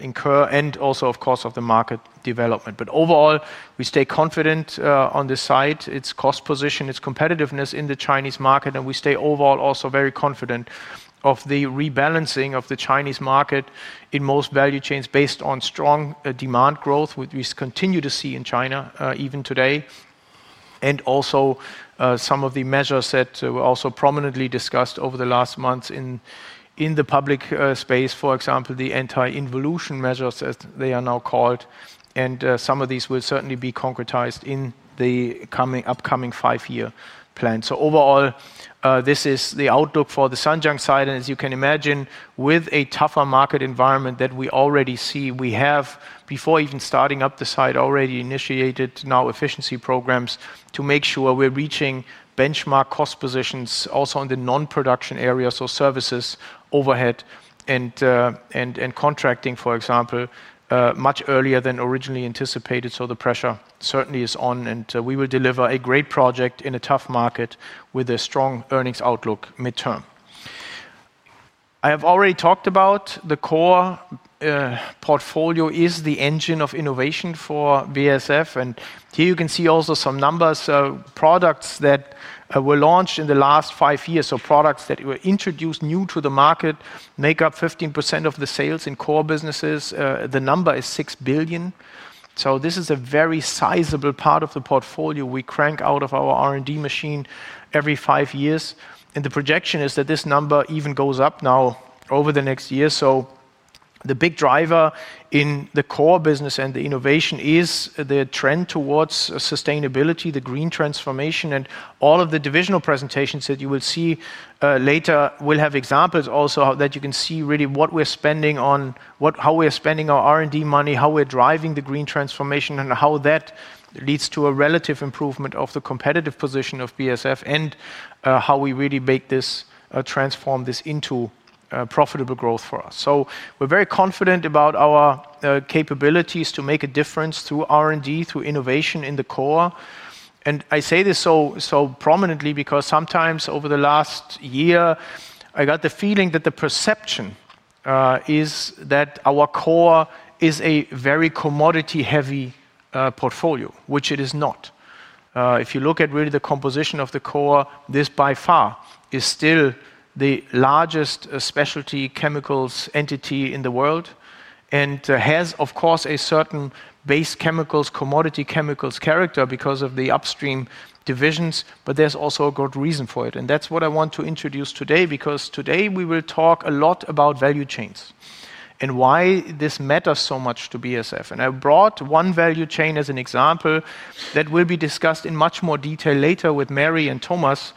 incur and, of course, the market development. Overall, we stay confident on this site, its cost position, its competitiveness in the Chinese market. We stay overall also very confident of the rebalancing of the Chinese market in most value chains based on strong demand growth, which we continue to see in China even today. Also, some of the measures that were prominently discussed over the last month in the public space, for example, the anti-involution measures that they are now called. Some of these will certainly be concretized in the upcoming five-year plan. Overall, this is the outlook for the Zhanjiang site. As you can imagine, with a tougher market environment that we already see, we have, before even starting up the site, already initiated efficiency programs to make sure we're reaching benchmark cost positions also in the non-production area, so services, overhead, and contracting, for example, much earlier than originally anticipated. The pressure certainly is on. We will deliver a great project in a tough market with a strong earnings outlook mid-term. I have already talked about the core portfolio is the engine of innovation for BASF. Here you can see also some numbers. Products that were launched in the last five years, products that were introduced new to the market, make up 15% of the sales in core businesses. The number is 6 billion. This is a very sizable part of the portfolio we crank out of our R&D machine every five years. The projection is that this number even goes up now over the next year. The big driver in the core business and the innovation is the trend towards sustainability, the green transformation. All of the divisional presentations that you will see later will have examples also that you can see really what we're spending on, how we're spending our R&D money, how we're driving the green transformation, and how that leads to a relative improvement of the competitive position of BASF and how we really make this, transform this into profitable growth for us. We're very confident about our capabilities to make a difference through R&D, through innovation in the core. I say this so prominently because sometimes over the last year, I got the feeling that the perception is that our core is a very commodity-heavy portfolio, which it is not. If you look at really the composition of the core, this by far is still the largest specialty chemicals entity in the world and has, of course, a certain base chemicals, commodity chemicals character because of the upstream divisions. There's also a good reason for it. That's what I want to introduce today because today we will talk a lot about value chains and why this matters so much to BASF. I brought one value chain as an example that will be discussed in much more detail later with Mary and Thomas,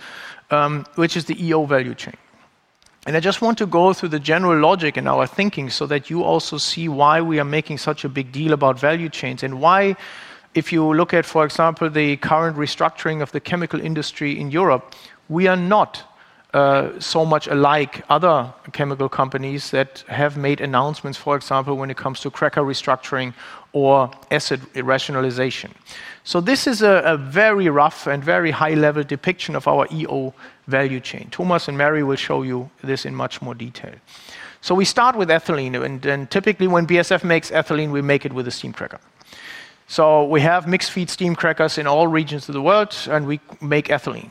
which is the EO value chain. I just want to go through the general logic in our thinking so that you also see why we are making such a big deal about value chains. If you look at, for example, the current restructuring of the chemical industry in Europe, we are not so much alike other chemical companies that have made announcements, for example, when it comes to cracker restructuring or asset rationalization. This is a very rough and very high-level depiction of our EO value chain. Thomas and Mary will show you this in much more detail. We start with ethylene. Typically, when BASF makes ethylene, we make it with a steam cracker. We have mixed-feed steam crackers in all regions of the world, and we make ethylene.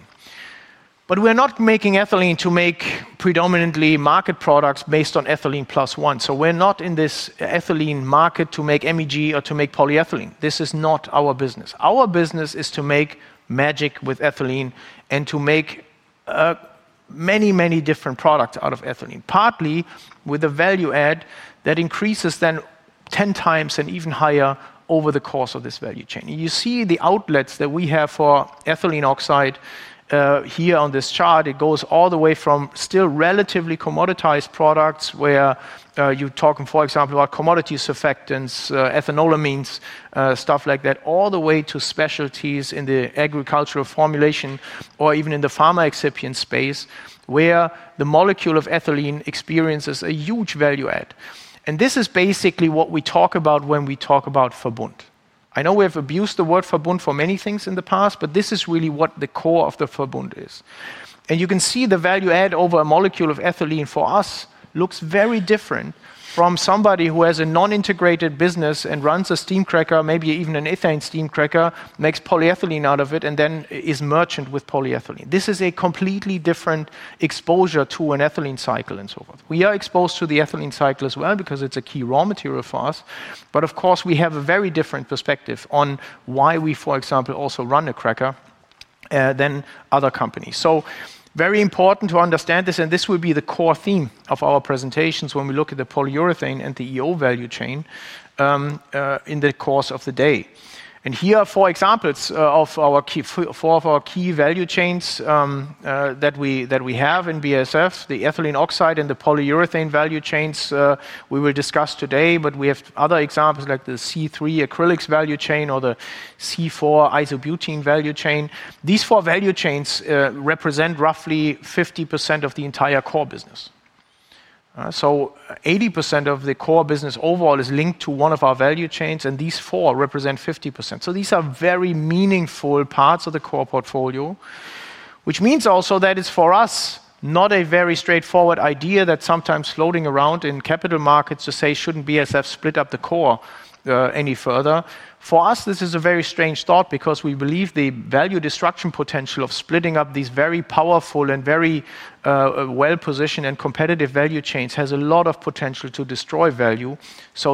We are not making ethylene to make predominantly market products based on ethylene plus one. We're not in this ethylene market to make MEG or to make polyethylene. This is not our business. Our business is to make magic with ethylene and to make many, many different products out of ethylene, partly with a value add that increases then 10x and even higher over the course of this value chain. You see the outlets that we have for ethylene oxide here on this chart. It goes all the way from still relatively commoditized products where you're talking, for example, about commodity surfactants, ethanolamines, stuff like that, all the way to specialties in the agricultural formulation or even in the pharma excipient space where the molecule of ethylene experiences a huge value add. This is basically what we talk about when we talk about Verbund. I know we have abused the word Verbund for many things in the past, but this is really what the core of the Verbund is. You can see the value add over a molecule of ethylene for us looks very different from somebody who has a non-integrated business and runs a steam cracker, maybe even an ethane steam cracker, makes polyethylene out of it, and then is merchant with polyethylene. This is a completely different exposure to an ethylene cycle and so forth. We are exposed to the ethylene cycle as well because it's a key raw material for us. Of course, we have a very different perspective on why we, for example, also run a cracker than other companies. It is very important to understand this. This will be the core theme of our presentations when we look at the polyurethane and the ethylene oxide value chain in the course of the day. Here are four examples of our key value chains that we have in BASF, the ethylene oxide and the polyurethane value chains we will discuss today. We have other examples like the C3 acrylics value chain or the C4 isobutane value chain. These four value chains represent roughly 50% of the entire core business. 80% of the core business overall is linked to one of our value chains, and these four represent 50%. These are very meaningful parts of the core portfolio, which means also that it's for us not a very straightforward idea that sometimes is floating around in capital markets to say shouldn't BASF split up the core any further. For us, this is a very strange thought because we believe the value destruction potential of splitting up these very powerful and very well-positioned and competitive value chains has a lot of potential to destroy value.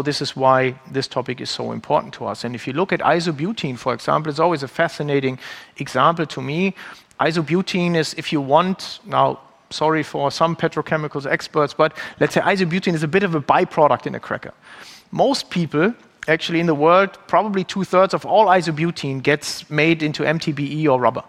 This is why this topic is so important to us. If you look at isobutane for example, it's always a fascinating example to me. Isobutane is, if you want, now sorry for some petrochemicals experts, but let's say isobutane is a bit of a byproduct in a cracker. Most people actually in the world, probably two-thirds of all isobutane, get made into MTBE or rubber.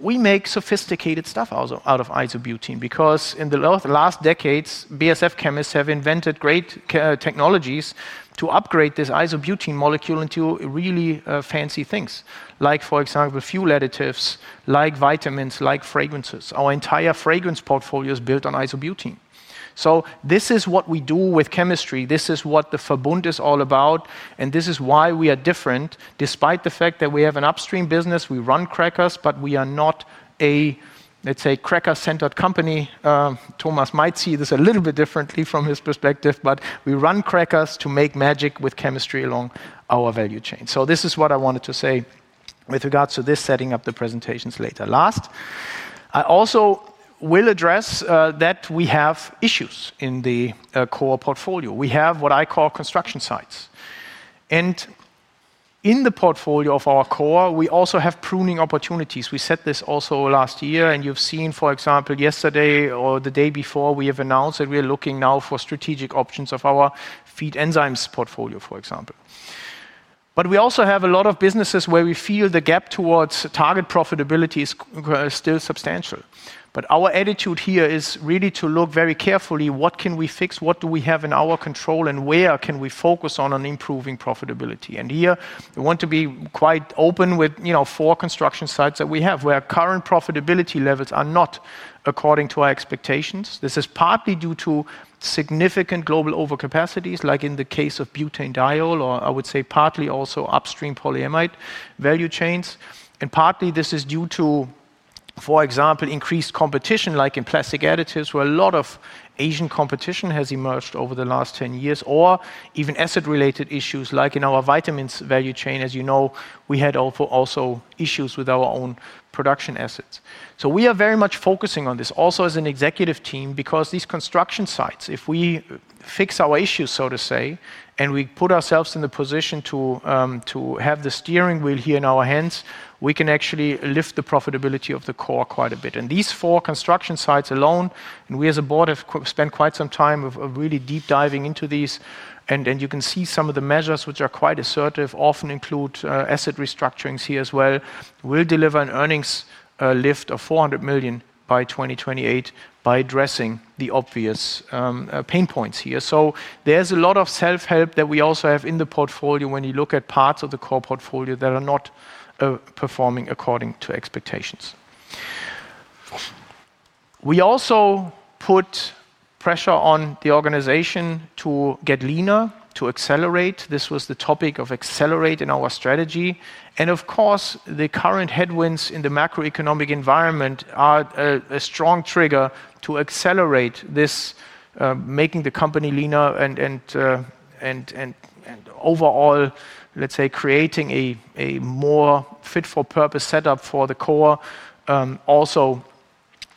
We make sophisticated stuff out of isobutane because in the last decades, BASF chemists have invented great technologies to upgrade this isobutane molecule into really fancy things, like for example, fuel additives, like vitamins, like fragrances. Our entire fragrance portfolio is built on isobutane. This is what we do with chemistry. This is what the Verbund is all about. This is why we are different, despite the fact that we have an upstream business. We run crackers, but we are not a, let's say, cracker-centered company. Thomas might see this a little bit differently from his perspective, but we run crackers to make magic with chemistry along our value chain. This is what I wanted to say with regards to this setting up the presentations later. Last, I also will address that we have issues in the core portfolio. We have what I call construction sites. In the portfolio of our core, we also have pruning opportunities. We said this also last year. You've seen, for example, yesterday or the day before, we have announced that we are looking now for strategic options of our feed enzymes portfolio, for example. We also have a lot of businesses where we feel the gap towards target profitability is still substantial. Our attitude here is really to look very carefully. What can we fix? What do we have in our control? Where can we focus on improving profitability? Here, we want to be quite open with four construction sites that we have where current profitability levels are not according to our expectations. This is partly due to significant global overcapacities, like in the case of butane diol, or I would say partly also upstream polyamide value chains. Partly, this is due to, for example, increased competition, like in plastic additives, where a lot of Asian competition has emerged over the last 10 years, or even asset-related issues, like in our vitamins value chain. As you know, we had also issues with our own production assets. We are very much focusing on this also as an executive team because these construction sites, if we fix our issues, so to say, and we put ourselves in the position to have the steering wheel here in our hands, we can actually lift the profitability of the core quite a bit. These four construction sites alone, and we as a board have spent quite some time really deep diving into these. You can see some of the measures, which are quite assertive, often include asset restructurings here as well. We will deliver an earnings lift of 400 million by 2028 by addressing the obvious pain points here. There is a lot of self-help that we also have in the portfolio when you look at parts of the core portfolio that are not performing according to expectations. We also put pressure on the organization to get leaner, to accelerate. This was the topic of accelerate in our strategy. Of course, the current headwinds in the macroeconomic environment are a strong trigger to accelerate this, making the company leaner and overall, let's say, creating a more fit-for-purpose setup for the core also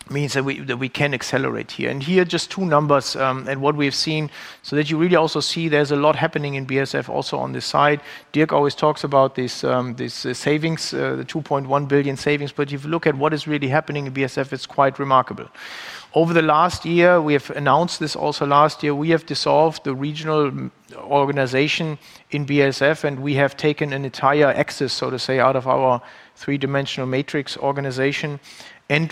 means that we can accelerate here. Here, just two numbers and what we have seen so that you really also see there is a lot happening in BASF also on this side. Dirk always talks about these savings, the 2.1 billion savings. If you look at what is really happening in BASF, it is quite remarkable. Over the last year, we have announced this also last year. We have dissolved the regional organization in BASF. We have taken an entire axis, so to say, out of our three-dimensional matrix organization.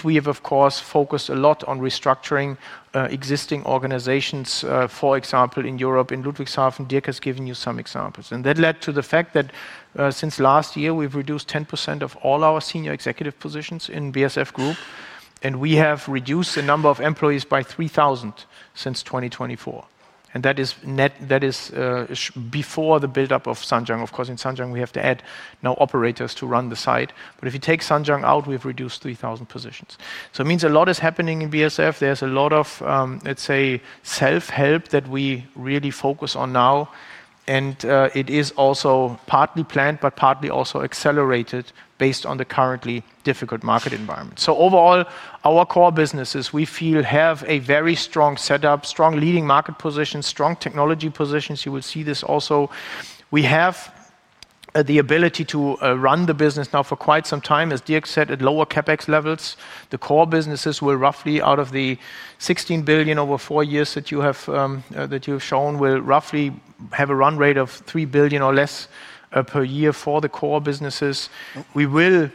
We have, of course, focused a lot on restructuring existing organizations, for example, in Europe, in Ludwigshafen. Dirk has given you some examples. That led to the fact that since last year, we have reduced 10% of all our senior executive positions in BASF Group. We have reduced the number of employees by 3,000 since 2024. That is before the buildup of Zhanjiang. Of course, in Zhanjiang, we have to add now operators to run the site. If you take Zhanjiang out, we have reduced 3,000 positions. It means a lot is happening in BASF. There is a lot of, let's say, self-help that we really focus on now. It is also partly planned, but partly also accelerated based on the currently difficult market environment. Overall, our core businesses, we feel, have a very strong setup, strong leading market positions, strong technology positions. You will see this also. We have the ability to run the business now for quite some time. As Dirk said, at lower CapEx levels, the core businesses will, roughly out of the 16 billion over four years that you have shown, have a run rate of 3 billion or less per year for the core businesses. We will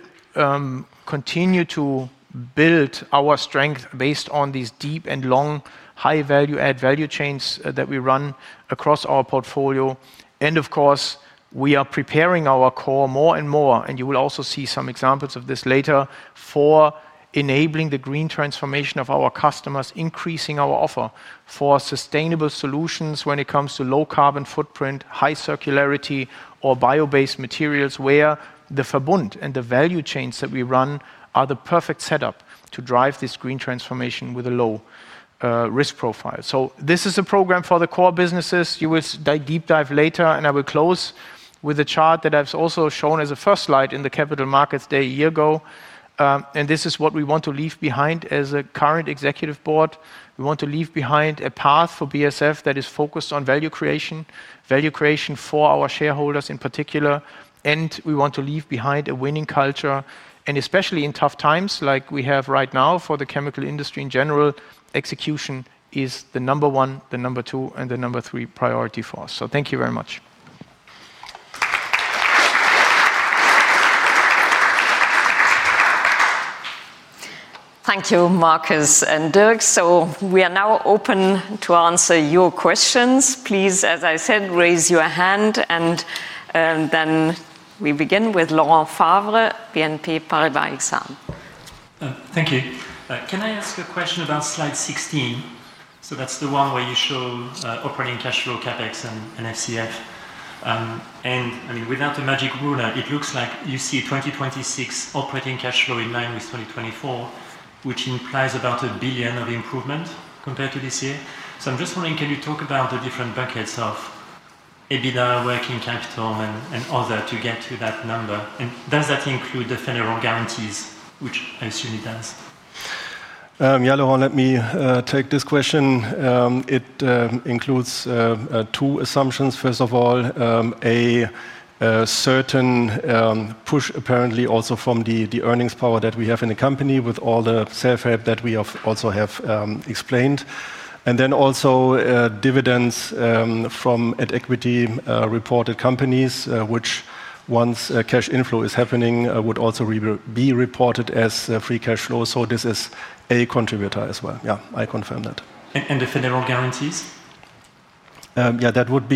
continue to build our strength based on these deep and long high value-add value chains that we run across our portfolio. Of course, we are preparing our core more and more. You will also see some examples of this later for enabling the green transformation of our customers, increasing our offer for sustainable solutions when it comes to low carbon footprint, high circularity, or bio-based materials, where the Verbund and the value chains that we run are the perfect setup to drive this green transformation with a low risk profile. This is a program for the core businesses. You will deep dive later. I will close with a chart that I've also shown as a first slide in the Capital Markets Day a year ago. This is what we want to leave behind as a current Executive Board. We want to leave behind a path for BASF that is focused on value creation, value creation for our shareholders in particular. We want to leave behind a winning culture. Especially in tough times like we have right now for the chemical industry in general, execution is the number one, the number two, and the number three priority for us. Thank you very much. Thank you, Markus and Dirk. We are now open to answer your questions. Please, as I said, raise your hand. We begin with Laurent Favre, BNP Paribas Exane. Thank you. Can I ask a question about slide 16? That's the one where you show operating cash flow, CapEx, and NFCF. I mean, without a magic ruler, it looks like you see 2026 operating cash flow in line with 2024, which implies about 1 billion of improvement compared to this year. I'm just wondering, can you talk about the different buckets of EBITDA, working capital, and other to get to that number? Does that include the federal guarantees, which I assume it does? Yeah, Laurent, let me take this question. It includes two assumptions. First of all, a certain push apparently also from the earnings power that we have in the company with all the self-help that we also have explained. Then also dividends from equity-reported companies, which once cash inflow is happening, would also be reported as free cash flow. This is a contributor as well. Yeah, I confirm that. The federal guarantees? Yeah, that would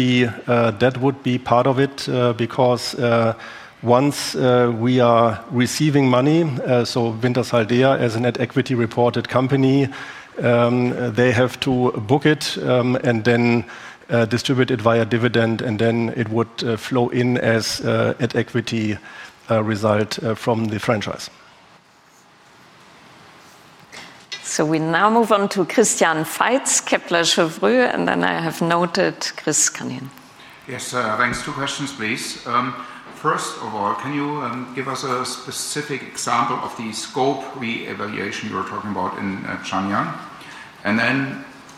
be part of it because once we are receiving money, Wintershall Dea, as an equity-reported company, has to book it and then distribute it via dividend. It would flow in as an equity result from the franchise. We now move on to Christian Faitz, Kepler Cheuvreux, and then I have noted Chris Counihan. Yes, thanks. Two questions, please. First of all, can you give us a specific example of the scope reevaluation you were talking about in Zhanjiang?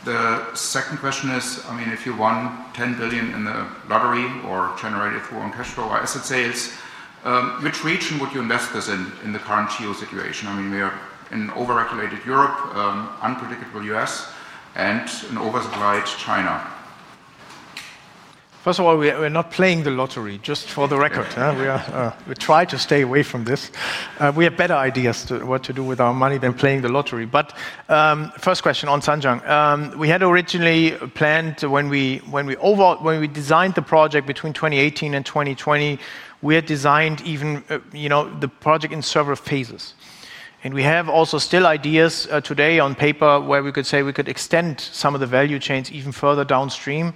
The second question is, I mean, if you won 10 billion in the lottery or generated through cash flow or asset sales, which region would you invest this in in the current geo situation? I mean, we are in overregulated Europe, unpredictable U.S., and an oversupplied China. First of all, we're not playing the lottery, just for the record. We try to stay away from this. We have better ideas to what to do with our money than playing the lottery. First question on Zhanjiang. We had originally planned when we designed the project between 2018 and 2020, we had designed even the project in several phases. We have also still ideas today on paper where we could say we could extend some of the value chains even further downstream.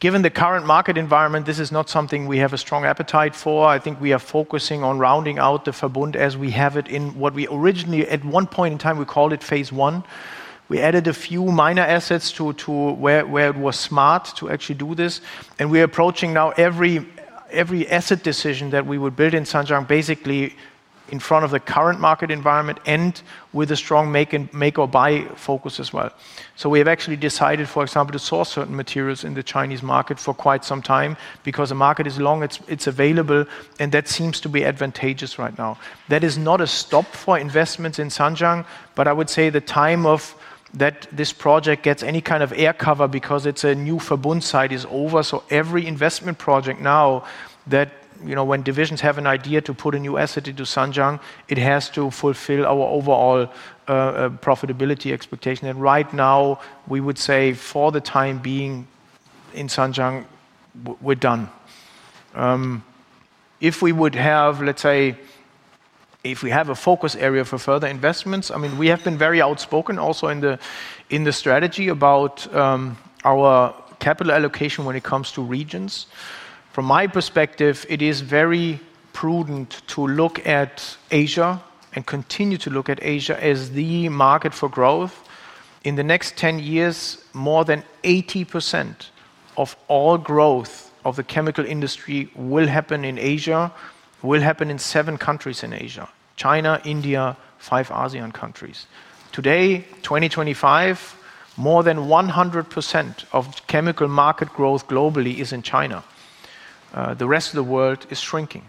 Given the current market environment, this is not something we have a strong appetite for. I think we are focusing on rounding out the Verbund as we have it in what we originally, at one point in time, we called it phase one. We added a few minor assets to where it was smart to actually do this. We're approaching now every asset decision that we would build in Zhanjiang, basically in front of the current market environment and with a strong make or buy focus as well. We have actually decided, for example, to source certain materials in the Chinese market for quite some time because the market is long, it's available, and that seems to be advantageous right now. That is not a stop for investments in Zhanjiang, but I would say the time that this project gets any kind of air cover because it's a new Verbund site is over. Every investment project now that when divisions have an idea to put a new asset into Zhanjiang, it has to fulfill our overall profitability expectation. Right now, we would say for the time being in Zhanjiang, we're done. If we would have, let's say, if we have a focus area for further investments, I mean, we have been very outspoken also in the strategy about our capital allocation when it comes to regions. From my perspective, it is very prudent to look at Asia and continue to look at Asia as the market for growth. In the next 10 years, more than 80% of all growth of the chemical industry will happen in Asia, will happen in seven countries in Asia, China, India, five ASEAN countries. Today, 2025, more than 100% of chemical market growth globally is in China. The rest of the world is shrinking.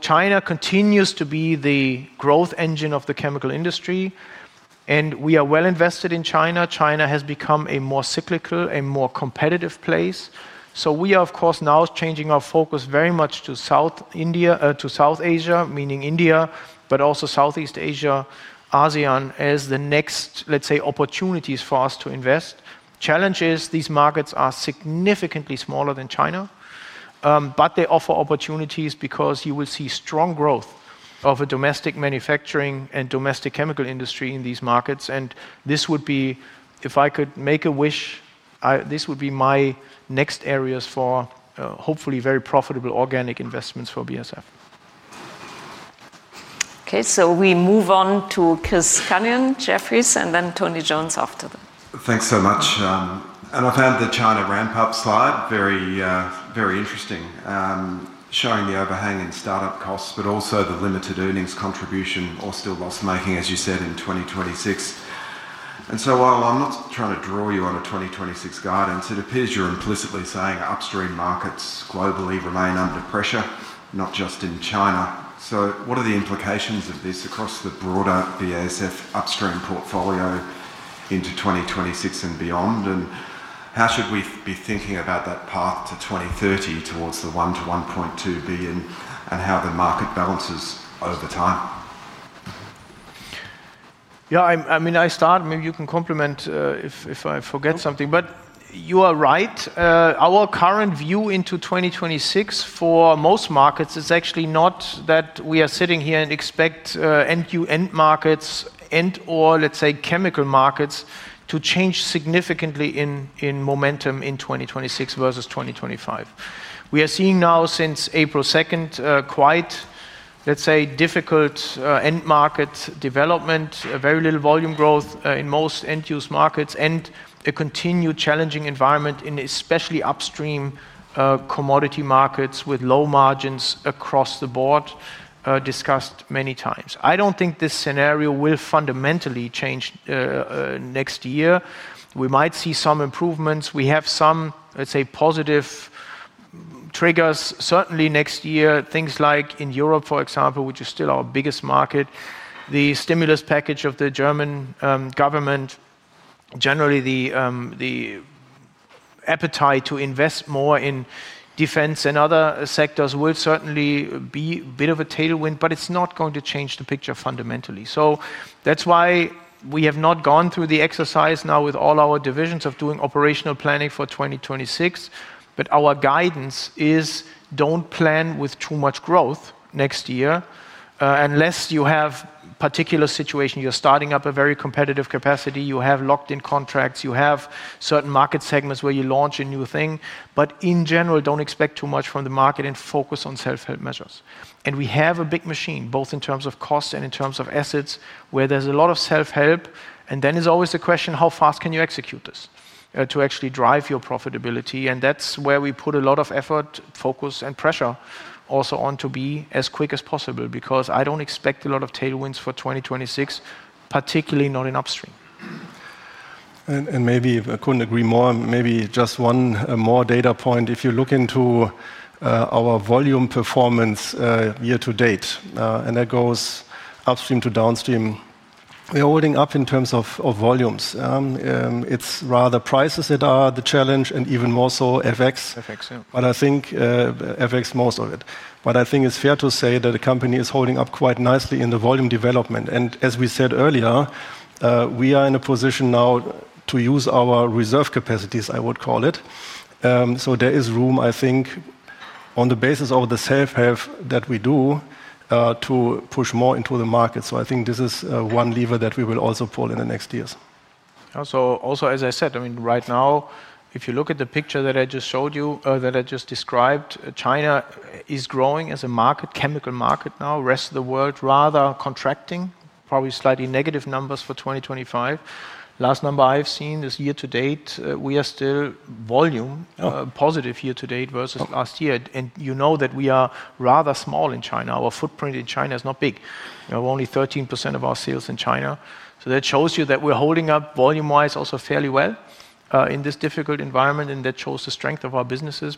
China continues to be the growth engine of the chemical industry. We are well invested in China. China has become a more cyclical, a more competitive place. We are, of course, now changing our focus very much to South Asia, meaning India, but also Southeast Asia, ASEAN as the next, let's say, opportunities for us to invest. The challenge is these markets are significantly smaller than China, but they offer opportunities because you will see strong growth of a domestic manufacturing and domestic chemical industry in these markets. This would be, if I could make a wish, my next areas for hopefully very profitable organic investments for BASF. Okay, we move on to Chris Counihan, Jefferies, and then Tony Jones after that. Thanks so much. I found the China ramp-up slide very, very interesting, showing the overhang in startup costs, but also the limited earnings contribution or still loss making, as you said, in 2026. While I'm not trying to draw you on a 2026 guidance, it appears you're implicitly saying upstream markets globally remain under pressure, not just in China. What are the implications of this across the broader BASF upstream portfolio into 2026 and beyond? How should we be thinking about that path to 2030 towards the 1 billion-1.2 billion and how the market balances over time? Yeah, I mean, I start, maybe you can complement if I forget something, but you are right. Our current view into 2026 for most markets is actually not that we are sitting here and expect end-to-end markets and/or, let's say, chemical markets to change significantly in momentum in 2026 versus 2025. We are seeing now since April 2nd quite, let's say, difficult end market development, very little volume growth in most end-use markets, and a continued challenging environment in especially upstream commodity markets with low margins across the board, discussed many times. I don't think this scenario will fundamentally change next year. We might see some improvements. We have some, let's say, positive triggers certainly next year, things like in Europe, for example, which is still our biggest market. The stimulus package of the German government, generally the appetite to invest more in defense and other sectors will certainly be a bit of a tailwind, but it's not going to change the picture fundamentally. That is why we have not gone through the exercise now with all our divisions of doing operational planning for 2026. Our guidance is don't plan with too much growth next year unless you have a particular situation. You're starting up a very competitive capacity. You have locked-in contracts. You have certain market segments where you launch a new thing. In general, don't expect too much from the market and focus on self-help measures. We have a big machine, both in terms of cost and in terms of assets, where there's a lot of self-help. There is always the question, how fast can you execute this to actually drive your profitability? That's where we put a lot of effort, focus, and pressure. Also want to be as quick as possible because I don't expect a lot of tailwinds for 2026, particularly not in upstream. I couldn't agree more. Maybe just one more data point. If you look into our volume performance year to date, and that goes upstream to downstream, we are holding up in terms of volumes. It's rather prices that are the challenge, and even more so FX. FX, yeah. I think FX most of it. I think it's fair to say that the company is holding up quite nicely in the volume development. As we said earlier, we are in a position now to use our reserve capacities, I would call it. There is room, I think, on the basis of the safe have that we do to push more into the market. I think this is one lever that we will also pull in the next years. As I said, right now, if you look at the picture that I just showed you, that I just described, China is growing as a chemical market now. The rest of the world is rather contracting, probably slightly negative numbers for 2025. The last number I've seen this year to date, we are still volume positive year to date versus last year. You know that we are rather small in China. Our footprint in China is not big. We have only 13% of our sales in China. That shows you that we're holding up volume-wise also fairly well in this difficult environment. That shows the strength of our businesses.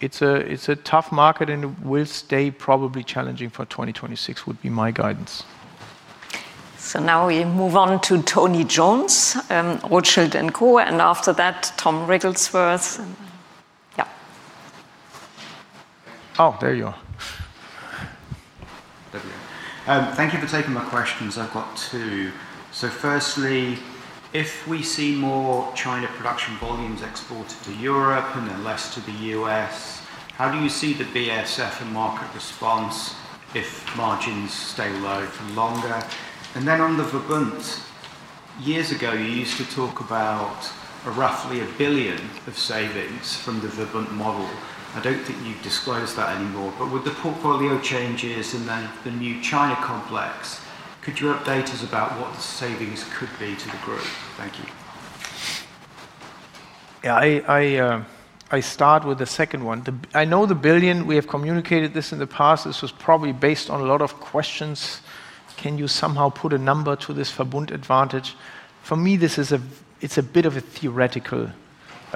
It's a tough market and will stay probably challenging for 2026 would be my guidance. We move on to Tony Jones, Rothschild & Co. After that, Tom Wrigglesworthh sworth. Oh, there you are. Thank you for taking my questions. I've got two. Firstly, if we see more China production volumes exported to Europe and less to the U.S., how do you see the BASF and market response if margins stay low for longer? On the Verbund, years ago you used to talk about roughly 1 billion of savings from the Verbund model. I don't think you've disclosed that anymore. With the portfolio changes and the new China complex, could you update us about what the savings could be to the group? Thank you. Yeah, I start with the second one. I know the billion, we have communicated this in the past. This was probably based on a lot of questions. Can you somehow put a number to this Verbund advantage? For me, it's a bit of a theoretical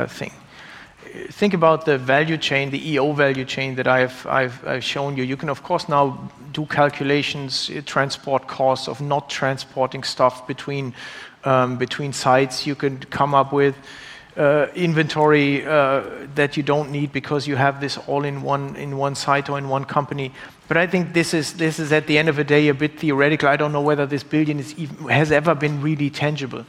thing. Think about the value chain, the ethylene oxide value chain that I've shown you. You can, of course, now do calculations, transport costs of not transporting stuff between sites. You can come up with inventory that you don't need because you have this all in one site or in one company. I think this is, at the end of the day, a bit theoretical. I don't know whether this billion has ever been really tangible.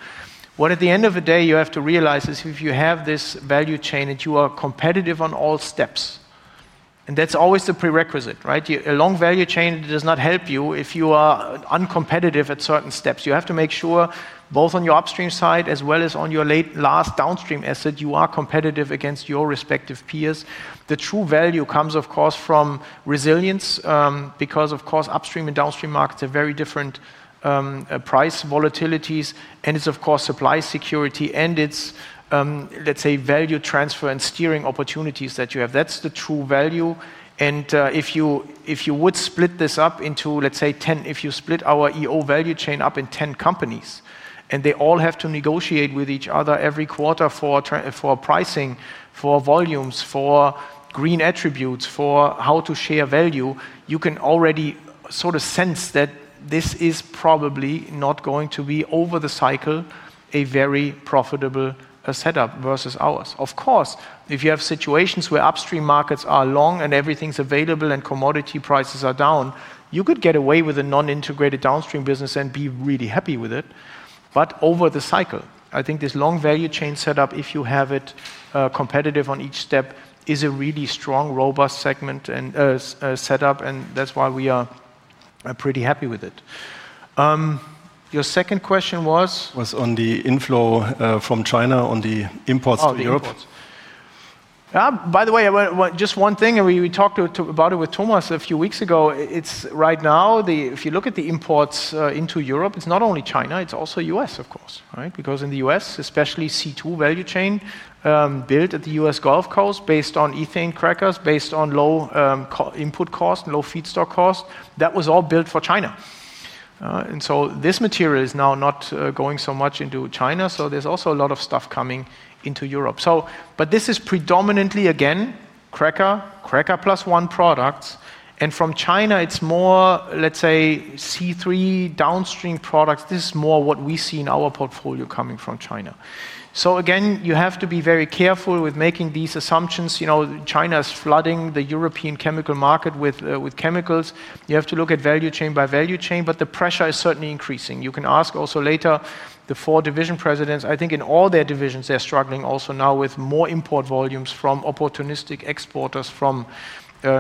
What at the end of the day you have to realize is if you have this value chain and you are competitive on all steps, and that's always the prerequisite, right? A long value chain does not help you if you are uncompetitive at certain steps. You have to make sure both on your upstream side as well as on your late last downstream asset you are competitive against your respective peers. The true value comes, of course, from resilience because, of course, upstream and downstream markets are very different price volatilities. It's, of course, supply security and it's, let's say, value transfer and steering opportunities that you have. That's the true value. If you would split this up into, let's say, 10, if you split our ethylene oxide value chain up in 10 companies and they all have to negotiate with each other every quarter for pricing, for volumes, for green attributes, for how to share value, you can already sort of sense that this is probably not going to be over the cycle a very profitable setup versus ours. Of course, if you have situations where upstream markets are long and everything's available and commodity prices are down, you could get away with a non-integrated downstream business and be really happy with it. Over the cycle, I think this long value chain setup, if you have it competitive on each step, is a really strong, robust segment and setup. That's why we are pretty happy with it. Your second question was? was on the inflow from China on the imports to Europe. By the way, just one thing, and we talked about it with Thomas a few weeks ago. It's right now, if you look at the imports into Europe, it's not only China, it's also U.S., of course, right? Because in the U.S., especially C2 value chain built at the U.S. Gulf Coast based on ethane crackers, based on low input cost and low feedstock cost. That was all built for China. This material is now not going so much into China. There's also a lot of stuff coming into Europe. This is predominantly, again, cracker, cracker plus one products. From China, it's more, let's say, C3 downstream products. This is more what we see in our portfolio coming from China. You have to be very careful with making these assumptions. You know, China is flooding the European chemical market with chemicals. You have to look at value chain by value chain, but the pressure is certainly increasing. You can ask also later the four Division Presidents. I think in all their divisions, they're struggling also now with more import volumes from opportunistic exporters from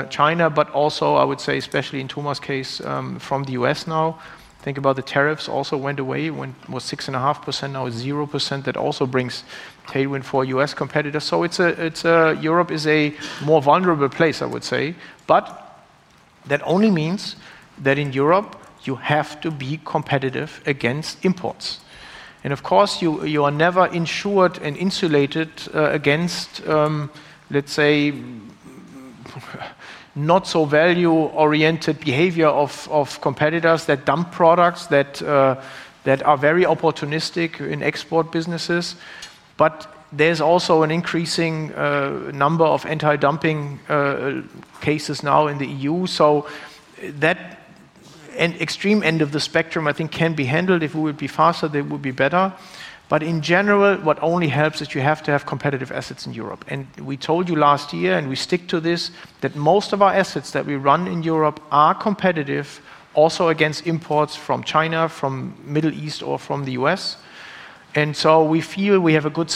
China, but also, I would say, especially in Thomas' case, from the U.S. now. Think about the tariffs also went away. It was 6.5%, now it's 0%. That also brings tailwind for U.S. competitors. Europe is a more vulnerable place, I would say. That only means that in Europe, you have to be competitive against imports. Of course, you are never insured and insulated against, let's say, not so value-oriented behavior of competitors that dump products that are very opportunistic in export businesses. There's also an increasing number of anti-dumping cases now in the EU. That extreme end of the spectrum, I think, can be handled. If we would be faster, that would be better. In general, what only helps is you have to have competitive assets in Europe. We told you last year, and we stick to this, that most of our assets that we run in Europe are competitive also against imports from China, from the Middle East, or from the U.S. We feel we have a good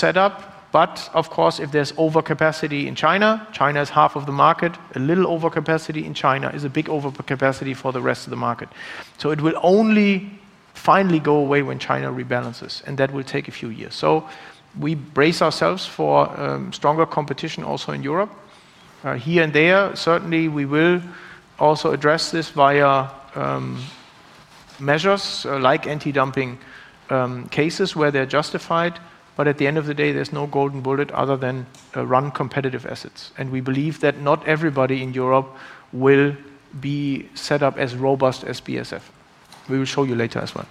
setup. Of course, if there's overcapacity in China, China is half of the market. A little overcapacity in China is a big overcapacity for the rest of the market. It will only finally go away when China rebalances. That will take a few years. We brace ourselves for stronger competition also in Europe. Here and there, certainly, we will also address this via measures like anti-dumping cases where they're justified. At the end of the day, there's no golden bullet other than run competitive assets. We believe that not everybody in Europe will be set up as robust as BASF. We will show you later as well.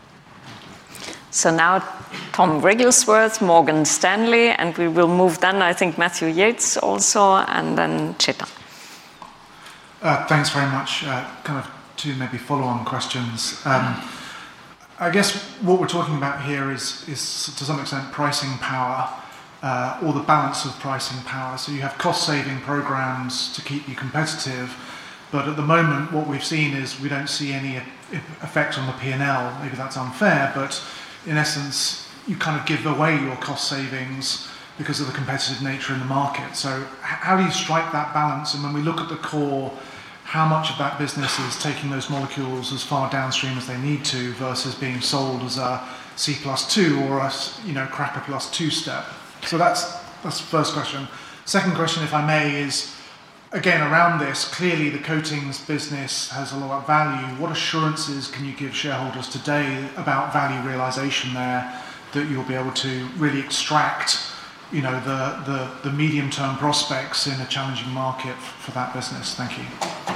Tom Wrigglesworth, Morgan Stanley, and we will move then, I think, Matthew Yates also, and then Chita. Thanks very much. Kind of two maybe follow-on questions. I guess what we're talking about here is, to some extent, pricing power or the balance of pricing power. You have cost-saving programs to keep you competitive. At the moment, what we've seen is we don't see any effect on the P&L. Maybe that's unfair. In essence, you kind of give away your cost savings because of the competitive nature in the market. How do you strike that balance? When we look at the core, how much of that business is taking those molecules as far downstream as they need to versus being sold as a C plus two or a cracker plus two step? That's the first question. Second question, if I may, is again around this. Clearly, the coatings business has a lot of value. What assurances can you give shareholders today about value realization there that you'll be able to really extract the medium-term prospects in a challenging market for that business? Thank you.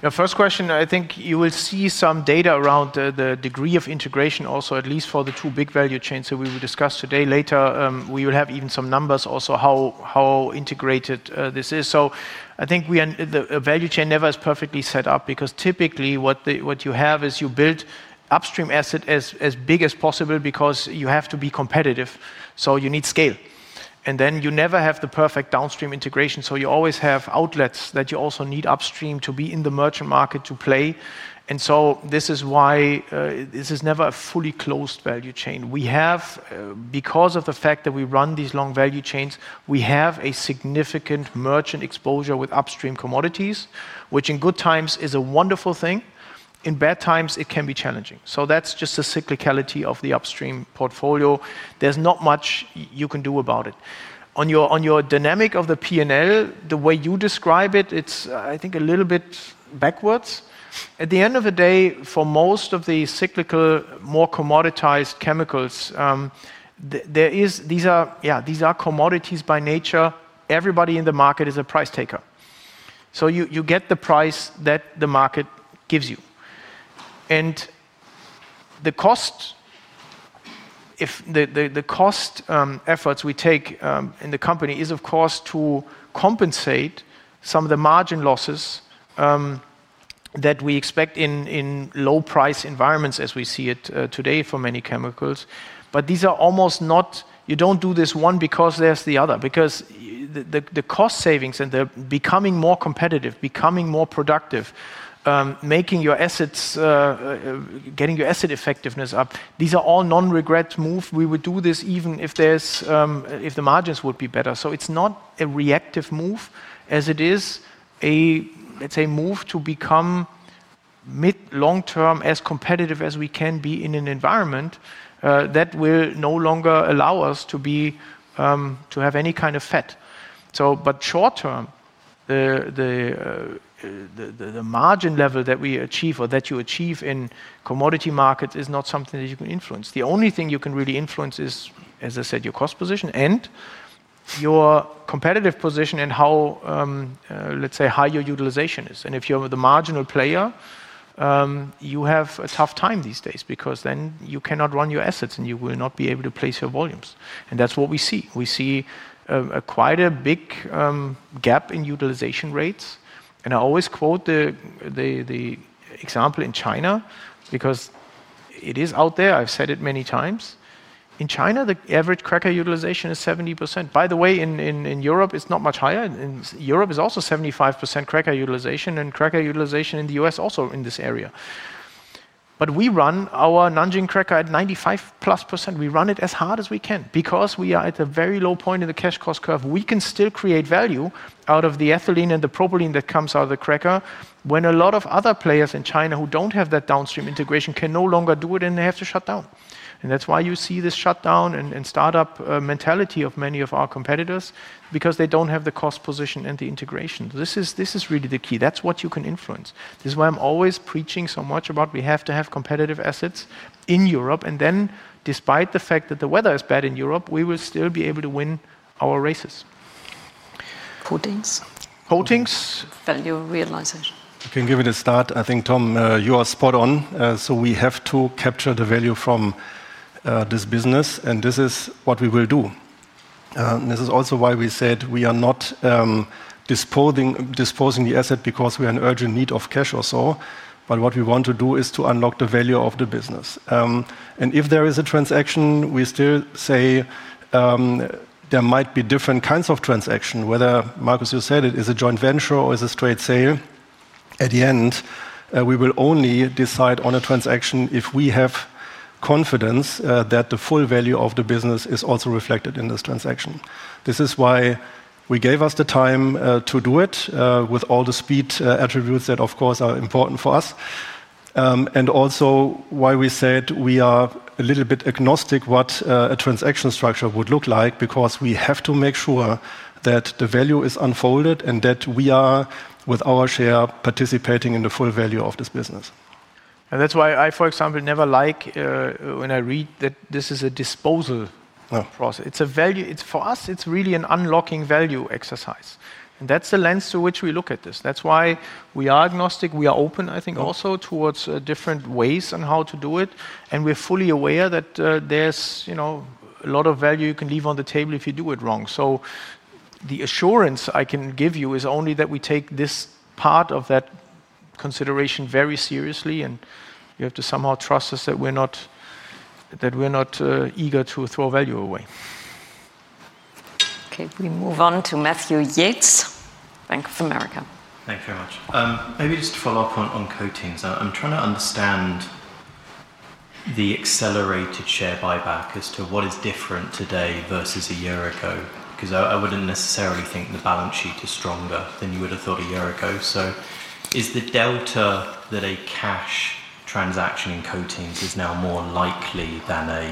Yeah, first question. I think you will see some data around the degree of integration also, at least for the two big value chains that we will discuss today. Later, we will have even some numbers also how integrated this is. I think the value chain never is perfectly set up because typically what you have is you build upstream assets as big as possible because you have to be competitive. You need scale. You never have the perfect downstream integration. You always have outlets that you also need upstream to be in the merchant market to play. This is why this is never a fully closed value chain. We have, because of the fact that we run these long value chains, a significant merchant exposure with upstream commodities, which in good times is a wonderful thing. In bad times, it can be challenging. That's just a cyclicality of the upstream portfolio. There's not much you can do about it. On your dynamic of the P&L, the way you describe it, it's, I think, a little bit backwards. At the end of the day, for most of the cyclical, more commoditized chemicals, these are, yeah, these are commodities by nature. Everybody in the market is a price taker. You get the price that the market gives you. The cost, the cost efforts we take in the company is, of course, to compensate some of the margin losses that we expect in low-price environments, as we see it today for many chemicals. These are almost not, you don't do this one because there's the other, because the cost savings and the becoming more competitive, becoming more productive, making your assets, getting your asset effectiveness up, these are all non-regret moves. We would do this even if the margins would be better. It's not a reactive move as it is a, let's say, move to become mid-long term as competitive as we can be in an environment that will no longer allow us to have any kind of fat. Short term, the margin level that we achieve or that you achieve in commodity markets is not something that you can influence. The only thing you can really influence is, as I said, your cost position and your competitive position and how, let's say, high your utilization is. If you're the marginal player, you have a tough time these days because then you cannot run your assets and you will not be able to place your volumes. That's what we see. We see quite a big gap in utilization rates. I always quote the example in China because it is out there. I've said it many times. In China, the average cracker utilization is 70%. By the way, in Europe, it's not much higher. In Europe, it's also 75% cracker utilization, and cracker utilization in the U.S. is also in this area. We run our Nanjing cracker at 95% plus. We run it as hard as we can because we are at a very low point in the cash cost curve. We can still create value out of the ethylene and the propylene that comes out of the cracker when a lot of other players in China who don't have that downstream integration can no longer do it, and they have to shut down. That's why you see this shutdown and startup mentality of many of our competitors, because they don't have the cost position and the integration. This is really the key. That's what you can influence. This is why I'm always preaching so much about how we have to have competitive assets in Europe. Despite the fact that the weather is bad in Europe, we will still be able to win our races. Coatings. Coatings. Value realization. I can give it a start. I think, Tom, you are spot on. We have to capture the value from this business. This is what we will do. This is also why we said we are not disposing the asset because we have an urgent need of cash or so. What we want to do is to unlock the value of the business. If there is a transaction, we still say there might be different kinds of transactions, whether, Markus, you said it is a joint venture or is a straight sale. At the end, we will only decide on a transaction if we have confidence that the full value of the business is also reflected in this transaction. This is why we gave us the time to do it with all the speed attributes that, of course, are important for us. Also, we said we are a little bit agnostic to what a transaction structure would look like because we have to make sure that the value is unfolded and that we are, with our share, participating in the full value of this business. That is why I, for example, never like when I read that this is a disposal process. It is a value. For us, it is really an unlocking value exercise. That is the lens through which we look at this. That is why we are agnostic. We are open, I think, also towards different ways on how to do it. We are fully aware that there is a lot of value you can leave on the table if you do it wrong. The assurance I can give you is only that we take this part of that consideration very seriously. You have to somehow trust us that we are not eager to throw value away. Okay, we move on to Matthew Yates, Bank of America. Thanks very much. Maybe just to follow up on coatings. I'm trying to understand the accelerated share buyback as to what is different today versus a year ago. I wouldn't necessarily think the balance sheet is stronger than you would have thought a year ago. Is the delta that a cash transaction in coatings is now more likely than a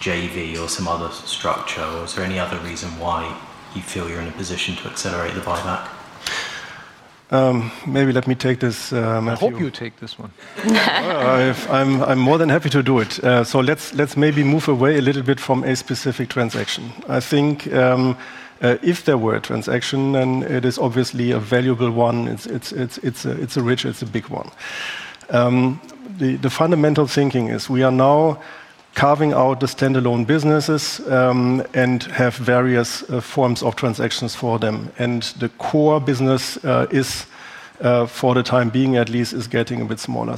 JV or some other structure? Is there any other reason why you feel you're in a position to accelerate the buyback? Maybe let me take this, Matthew. I hope you take this one. I'm more than happy to do it. Let's maybe move away a little bit from a specific transaction. I think if there were a transaction, then it is obviously a valuable one. It's a rich, it's a big one. The fundamental thinking is we are now carving out the standalone businesses and have various forms of transactions for them. The core business is, for the time being at least, getting a bit smaller.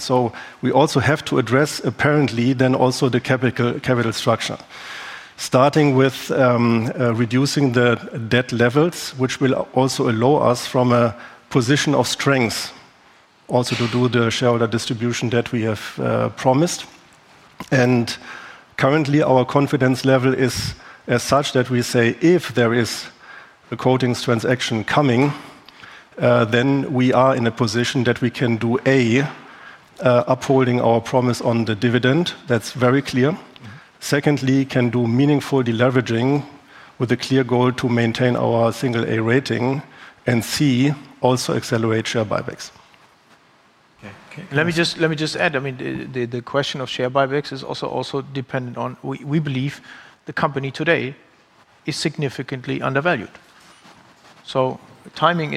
We also have to address, apparently, then also the capital structure, starting with reducing the debt levels, which will also allow us from a position of strength to do the shareholder distribution that we have promised. Currently, our confidence level is as such that we say if there is a quoting transaction coming, then we are in a position that we can do A, upholding our promise on the dividend. That's very clear. Secondly, can do meaningful deleveraging with a clear goal to maintain our single A rating and C, also accelerate share buybacks. Let me just add, the question of share buybacks is also dependent on, we believe the company today is significantly undervalued. Timing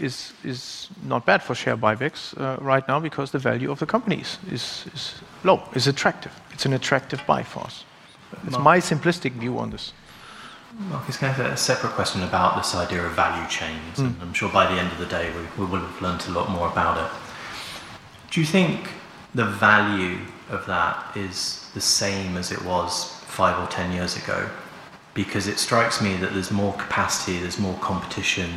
is not bad for share buybacks right now because the value of the company is low, is attractive. It's an attractive buy for us. It's my simplistic view on this. Markus, I have a separate question about this idea of value chains. I'm sure by the end of the day, we will have learned a lot more about it. Do you think the value of that is the same as it was five or ten years ago? It strikes me that there's more capacity, there's more competition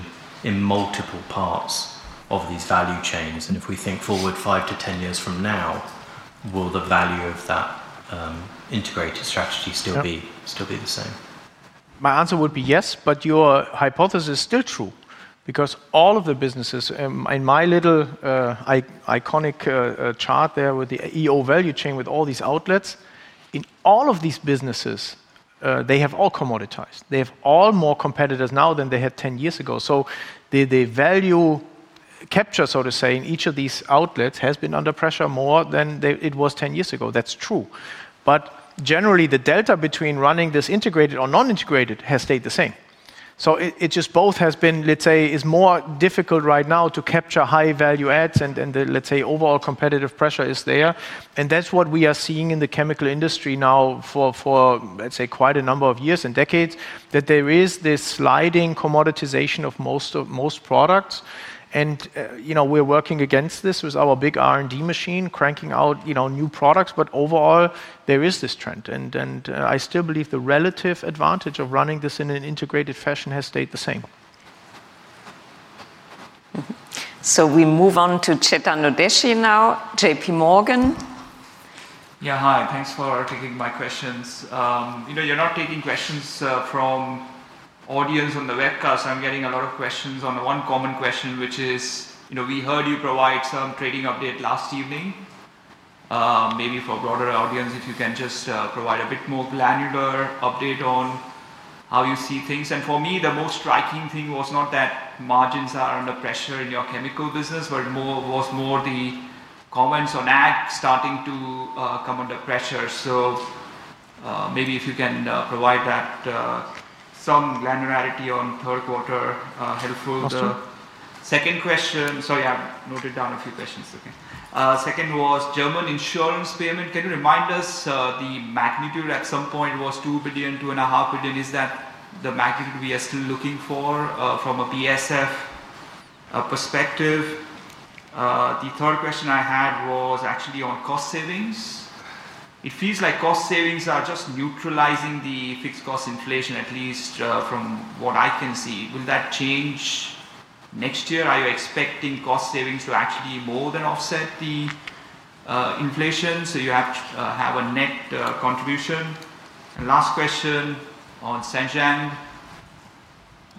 in multiple parts of these value chains. If we think forward five to ten years from now, will the value of that integrated strategy still be the same? My answer would be yes, but your hypothesis is still true because all of the businesses in my little iconic chart there with the ethylene oxide value chain with all these outlets, in all of these businesses, they have all commoditized. They have all more competitors now than they had ten years ago. The value capture, so to say, in each of these outlets has been under pressure more than it was ten years ago. That's true. Generally, the delta between running this integrated or non-integrated has stayed the same. It just both has been, let's say, it's more difficult right now to capture high value adds and overall competitive pressure is there. That's what we are seeing in the chemical industry now for, let's say, quite a number of years and decades that there is this sliding commoditization of most products. You know we're working against this with our big R&D machine cranking out new products. Overall, there is this trend. I still believe the relative advantage of running this in an integrated fashion has stayed the same. We move on to Chetan Udeshi now, JPMorgan. Yeah, hi. Thanks for taking my questions. You're not taking questions from audience on the webcast. I'm getting a lot of questions on one common question, which is, you know, we heard you provide some trading update last evening. Maybe for a broader audience, if you can just provide a bit more granular update on how you see things. For me, the most striking thing was not that margins are under pressure in your chemical business, but more was the comments on AG starting to come under pressure. Maybe if you can provide that some granularity on third quarter, helpful. The second question, sorry, I've noted down a few questions. Second was German insurance payment. Can you remind us the magnitude? At some point, it was EUR 2 billion, EUR 2.5 billion. Is that the magnitude we are still looking for from a BASF perspective? The third question I had was actually on cost savings. It feels like cost savings are just neutralizing the fixed cost inflation, at least from what I can see. Will that change next year? Are you expecting cost savings to actually more than offset the inflation? You have a net contribution. Last question on Zhanjiang.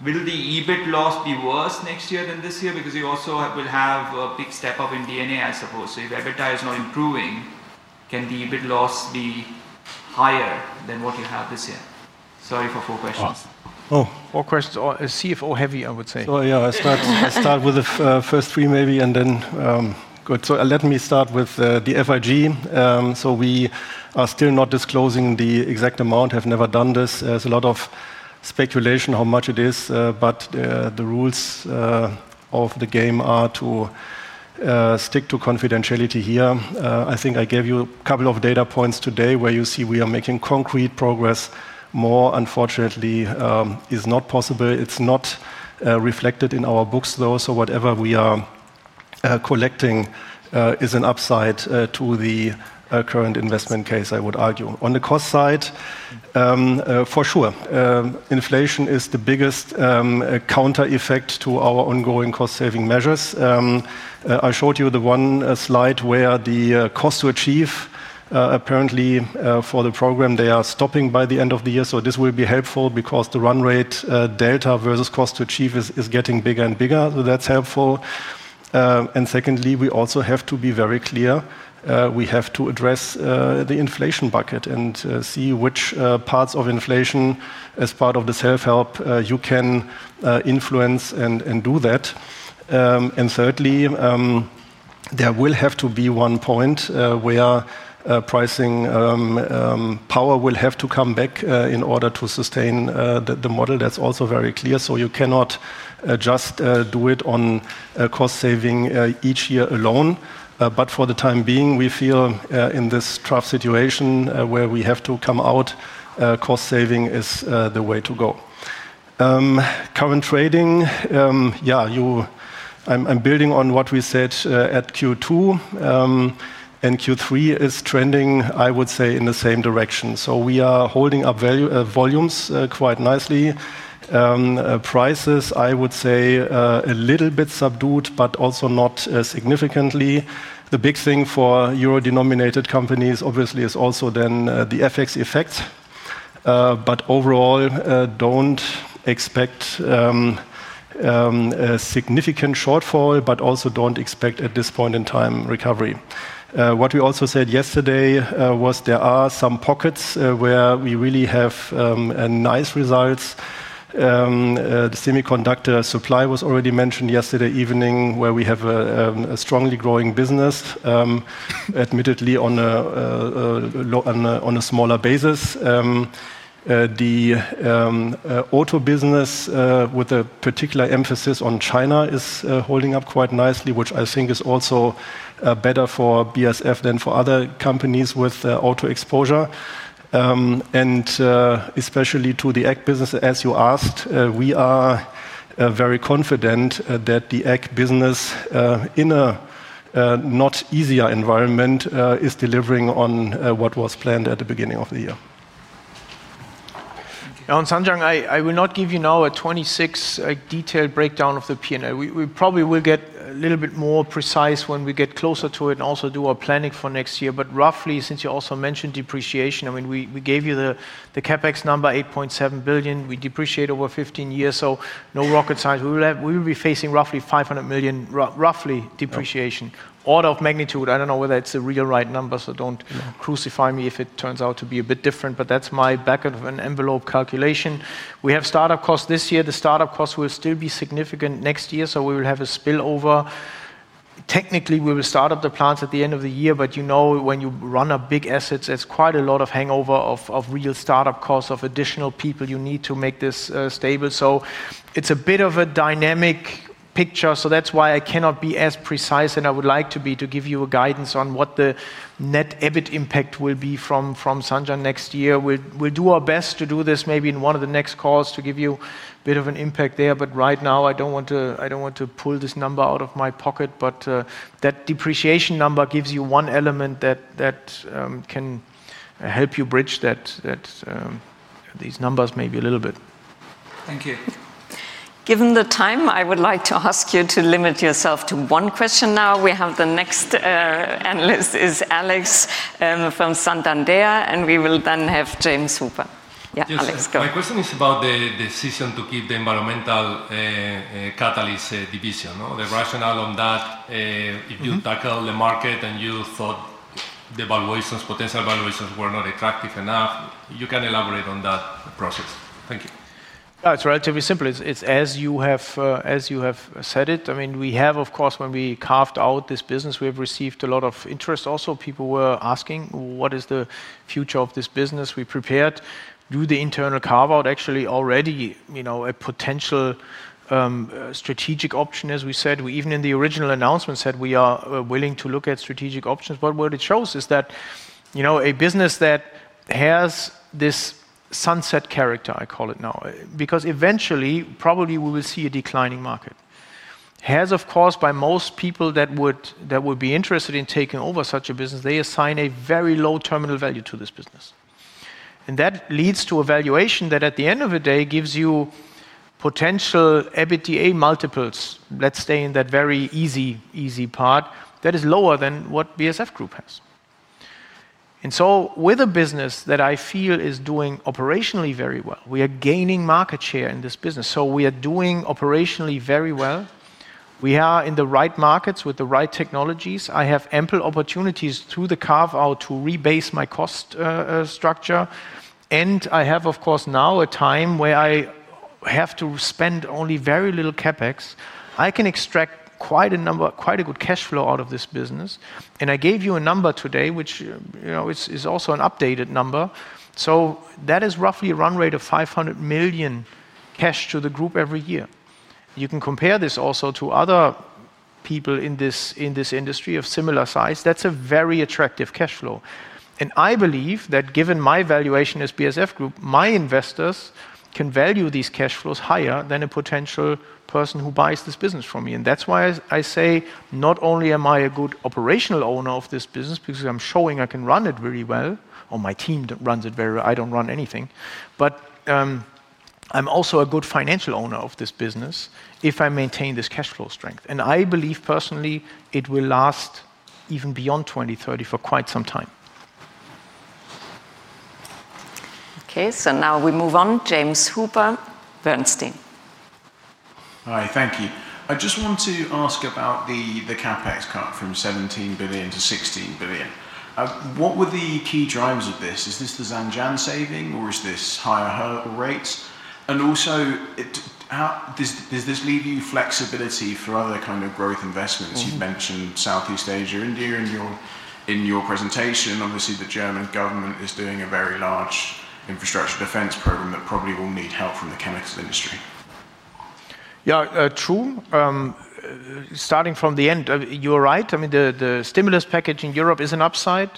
Will the EBIT loss be worse next year than this year? You also will have a big step up in DNA, I suppose. If EBITDA is not improving, can the EBIT loss be higher than what you have this year? Sorry for four questions. Oh, four questions. It's CFO heavy, I would say. Oh. Yeah, I start with the first three maybe and then go. Let me start with the FIG. We are still not disclosing the exact amount, have never done this. There's a lot of speculation how much it is, but the rules of the game are to stick to confidentiality here. I think I gave you a couple of data points today where you see we are making concrete progress. More, unfortunately, is not possible. It's not reflected in our books though. Whatever we are collecting is an upside to the current investment case, I would argue. On the cost side, for sure, inflation is the biggest counter effect to our ongoing cost saving measures. I showed you the one slide where the cost to achieve, apparently for the program, they are stopping by the end of the year. This will be helpful because the run rate delta versus cost to achieve is getting bigger and bigger. That's helpful. We also have to be very clear. We have to address the inflation bucket and see which parts of inflation as part of the self-help you can influence and do that. Thirdly, there will have to be one point where pricing power will have to come back in order to sustain the model. That's also very clear. You cannot just do it on cost saving each year alone. For the time being, we feel in this tough situation where we have to come out, cost saving is the way to go. Current trading, yeah, I'm building on what we said at Q2. Q3 is trending, I would say, in the same direction. We are holding up volumes quite nicely. Prices, I would say, a little bit subdued, but also not significantly. The big thing for euro-denominated companies, obviously, is also then the FX effect. Overall, don't expect a significant shortfall, but also don't expect at this point in time recovery. What we also said yesterday was there are some pockets where we really have nice results. The semiconductor supply was already mentioned yesterday evening where we have a strongly growing business, admittedly on a smaller basis. The auto business, with a particular emphasis on China, is holding up quite nicely, which I think is also better for BASF than for other companies with auto exposure. Especially to the AG business, as you asked, we are very confident that the AG business in a not easier environment is delivering on what was planned at the beginning of the year. On Zhanjiang, I will not give you now a 26-detailed breakdown of the P&L. We probably will get a little bit more precise when we get closer to it and also do our planning for next year. Roughly, since you also mentioned depreciation, I mean, we gave you the CapEx number, 8.7 billion. We depreciate over 15 years, so no rocket science. We will be facing roughly 500 million, roughly depreciation. Order of magnitude, I don't know whether it's the real right number, so don't crucify me if it turns out to be a bit different, but that's my back of an envelope calculation. We have startup costs this year. The startup costs will still be significant next year, so we will have a spillover. Technically, we will start up the plants at the end of the year, but you know when you run a big asset, there's quite a lot of hangover of real startup costs of additional people you need to make this stable. It's a bit of a dynamic picture. That's why I cannot be as precise as I would like to be to give you a guidance on what the net EBIT impact will be from Zhanjiang next year. We'll do our best to do this maybe in one of the next calls to give you a bit of an impact there. Right now, I don't want to pull this number out of my pocket. That depreciation number gives you one element that can help you bridge these numbers maybe a little bit. Thank you. Given the time, I would like to ask you to limit yourself to one question now. We have the next analyst, Alex from Santander, and we will then have James Hooper. Yeah, Alex, go. My question is about the decision to keep the environmental catalyst division. The rationale on that, if you tackle the market and you thought the potential valuations were not attractive enough, you can elaborate on that process. Thank you. That's right. To be simple, it's as you have said it. I mean, we have, of course, when we carved out this business, we've received a lot of interest. Also, people were asking, what is the future of this business? We prepared to do the internal carve-out, actually already, you know, a potential strategic option. As we said, even in the original announcement said we are willing to look at strategic options. What it shows is that, you know, a business that has this sunset character, I call it now, because eventually, probably we will see a declining market, has, of course, by most people that would be interested in taking over such a business, they assign a very low terminal value to this business. That leads to a valuation that at the end of the day gives you potential EBITDA multiples, let's stay in that very easy, easy part, that is lower than what BASF Group has. With a business that I feel is doing operationally very well, we are gaining market share in this business. We are doing operationally very well. We are in the right markets with the right technologies. I have ample opportunities through the carve-out to rebase my cost structure. I have, of course, now a time where I have to spend only very little CapEx. I can extract quite a number, quite a good cash flow out of this business. I gave you a number today, which, you know, is also an updated number. That is roughly a run rate of 500 million cash to the group every year. You can compare this also to other people in this industry of similar size. That's a very attractive cash flow. I believe that given my valuation as BASF Group, my investors can value these cash flows higher than a potential person who buys this business from me. That's why I say not only am I a good operational owner of this business because I'm showing I can run it really well, or my team runs it very well. I don't run anything. I'm also a good financial owner of this business if I maintain this cash flow strength. I believe personally it will last even beyond 2030 for quite some time. Okay, so now we move on. James Hooper, Bernstein. Hi, thank you. I just wanted to ask about the CapEx cut from 17 billion to 16 billion. What were the key drives of this? Is this the Zhanjiang saving or is this higher hurdle rates? Also, does this leave you flexibility for other kind of growth investments? You mentioned Southeast Asia, India, and in your presentation, obviously, the German government is doing a very large infrastructure defense program that probably will need help from the chemicals industry. Yeah, true. Starting from the end, you're right. I mean, the stimulus package in Europe is an upside.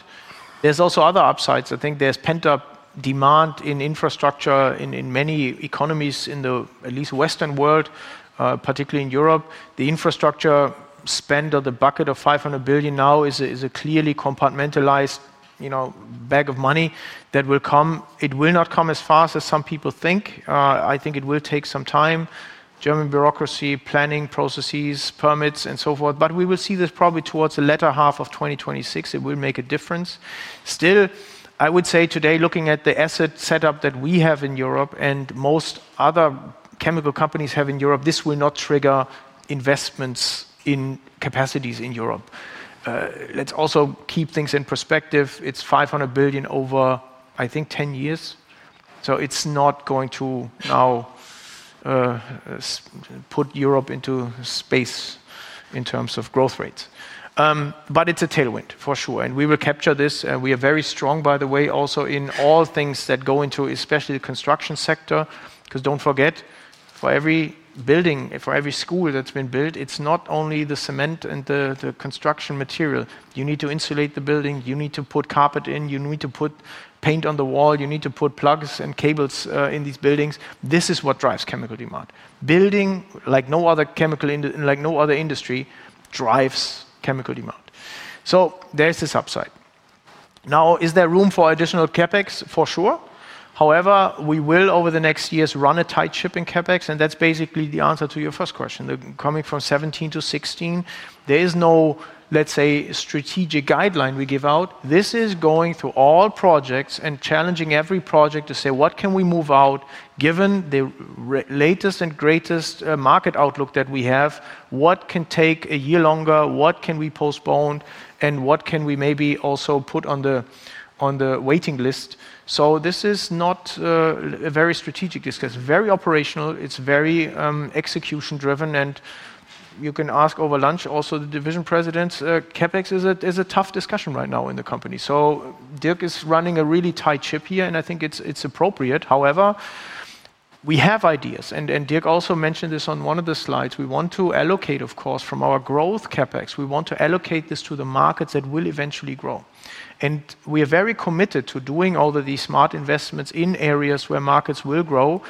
There's also other upsides. I think there's pent-up demand in infrastructure in many economies in the at least Western world, particularly in Europe. The infrastructure spend of the bucket of 500 billion now is a clearly compartmentalized, you know, bag of money that will come. It will not come as fast as some people think. I think it will take some time. German bureaucracy, planning processes, permits, and so forth. We will see this probably towards the latter half of 2026. It will make a difference. Still, I would say today, looking at the asset setup that we have in Europe and most other chemical companies have in Europe, this will not trigger investments in capacities in Europe. Let's also keep things in perspective. It's 500 billion over, I think, 10 years. It's not going to now put Europe into space in terms of growth rates. It's a tailwind for sure. We will capture this. We are very strong, by the way, also in all things that go into, especially the construction sector. Because don't forget, for every building, for every school that's been built, it's not only the cement and the construction material. You need to insulate the building. You need to put carpet in. You need to put paint on the wall. You need to put plugs and cables in these buildings. This is what drives chemical demand. Building like no other chemical, in like no other industry, drives chemical demand. There's this upside. Now, is there room for additional CapEx? For sure. However, we will, over the next years, run a tight ship in CapEx. That's basically the answer to your first question. Coming from 17 billion to 16 billion, there is no, let's say, strategic guideline we give out. This is going through all projects and challenging every project to say, what can we move out, given the latest and greatest market outlook that we have? What can take a year longer? What can we postpone? What can we maybe also put on the waiting list? This is not a very strategic discussion. It's very operational. It's very execution-driven. You can ask over lunch, also the division presidents, CapEx is a tough discussion right now in the company. Dirk is running a really tight ship here. I think it's appropriate. However, we have ideas. Dirk also mentioned this on one of the slides. We want to allocate, of course, from our growth CapEx. We want to allocate this to the markets that will eventually grow. We are very committed to doing all of these smart investments in areas where markets will grow.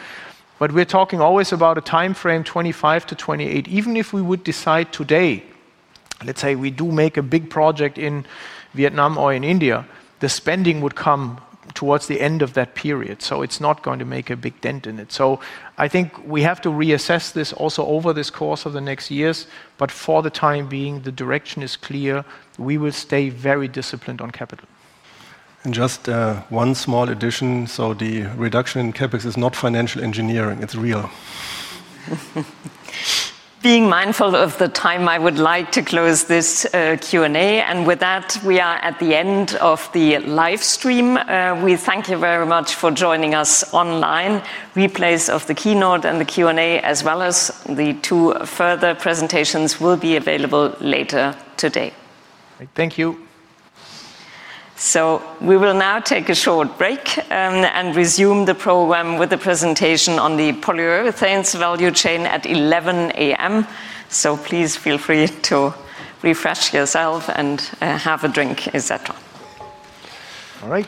We're talking always about a timeframe 2025 to 2028. Even if we would decide today, let's say we do make a big project in Vietnam or in India, the spending would come towards the end of that period. It is not going to make a big dent in it. I think we have to reassess this also over the course of the next years. For the time being, the direction is clear. We will stay very disciplined on capital. Just one small addition. The reduction in CapEx is not financial engineering. It's real. Being mindful of the time, I would like to close this Q&A. With that, we are at the end of the livestream. We thank you very much for joining us online. Replays of the keynote and the Q&A, as well as the two further presentations, will be available later today. Thank you. We will now take a short break and resume the program with a presentation on the Polyurethanes value chain at 11:00 A.M. Please feel free to refresh yourself and have a drink, etc. All right.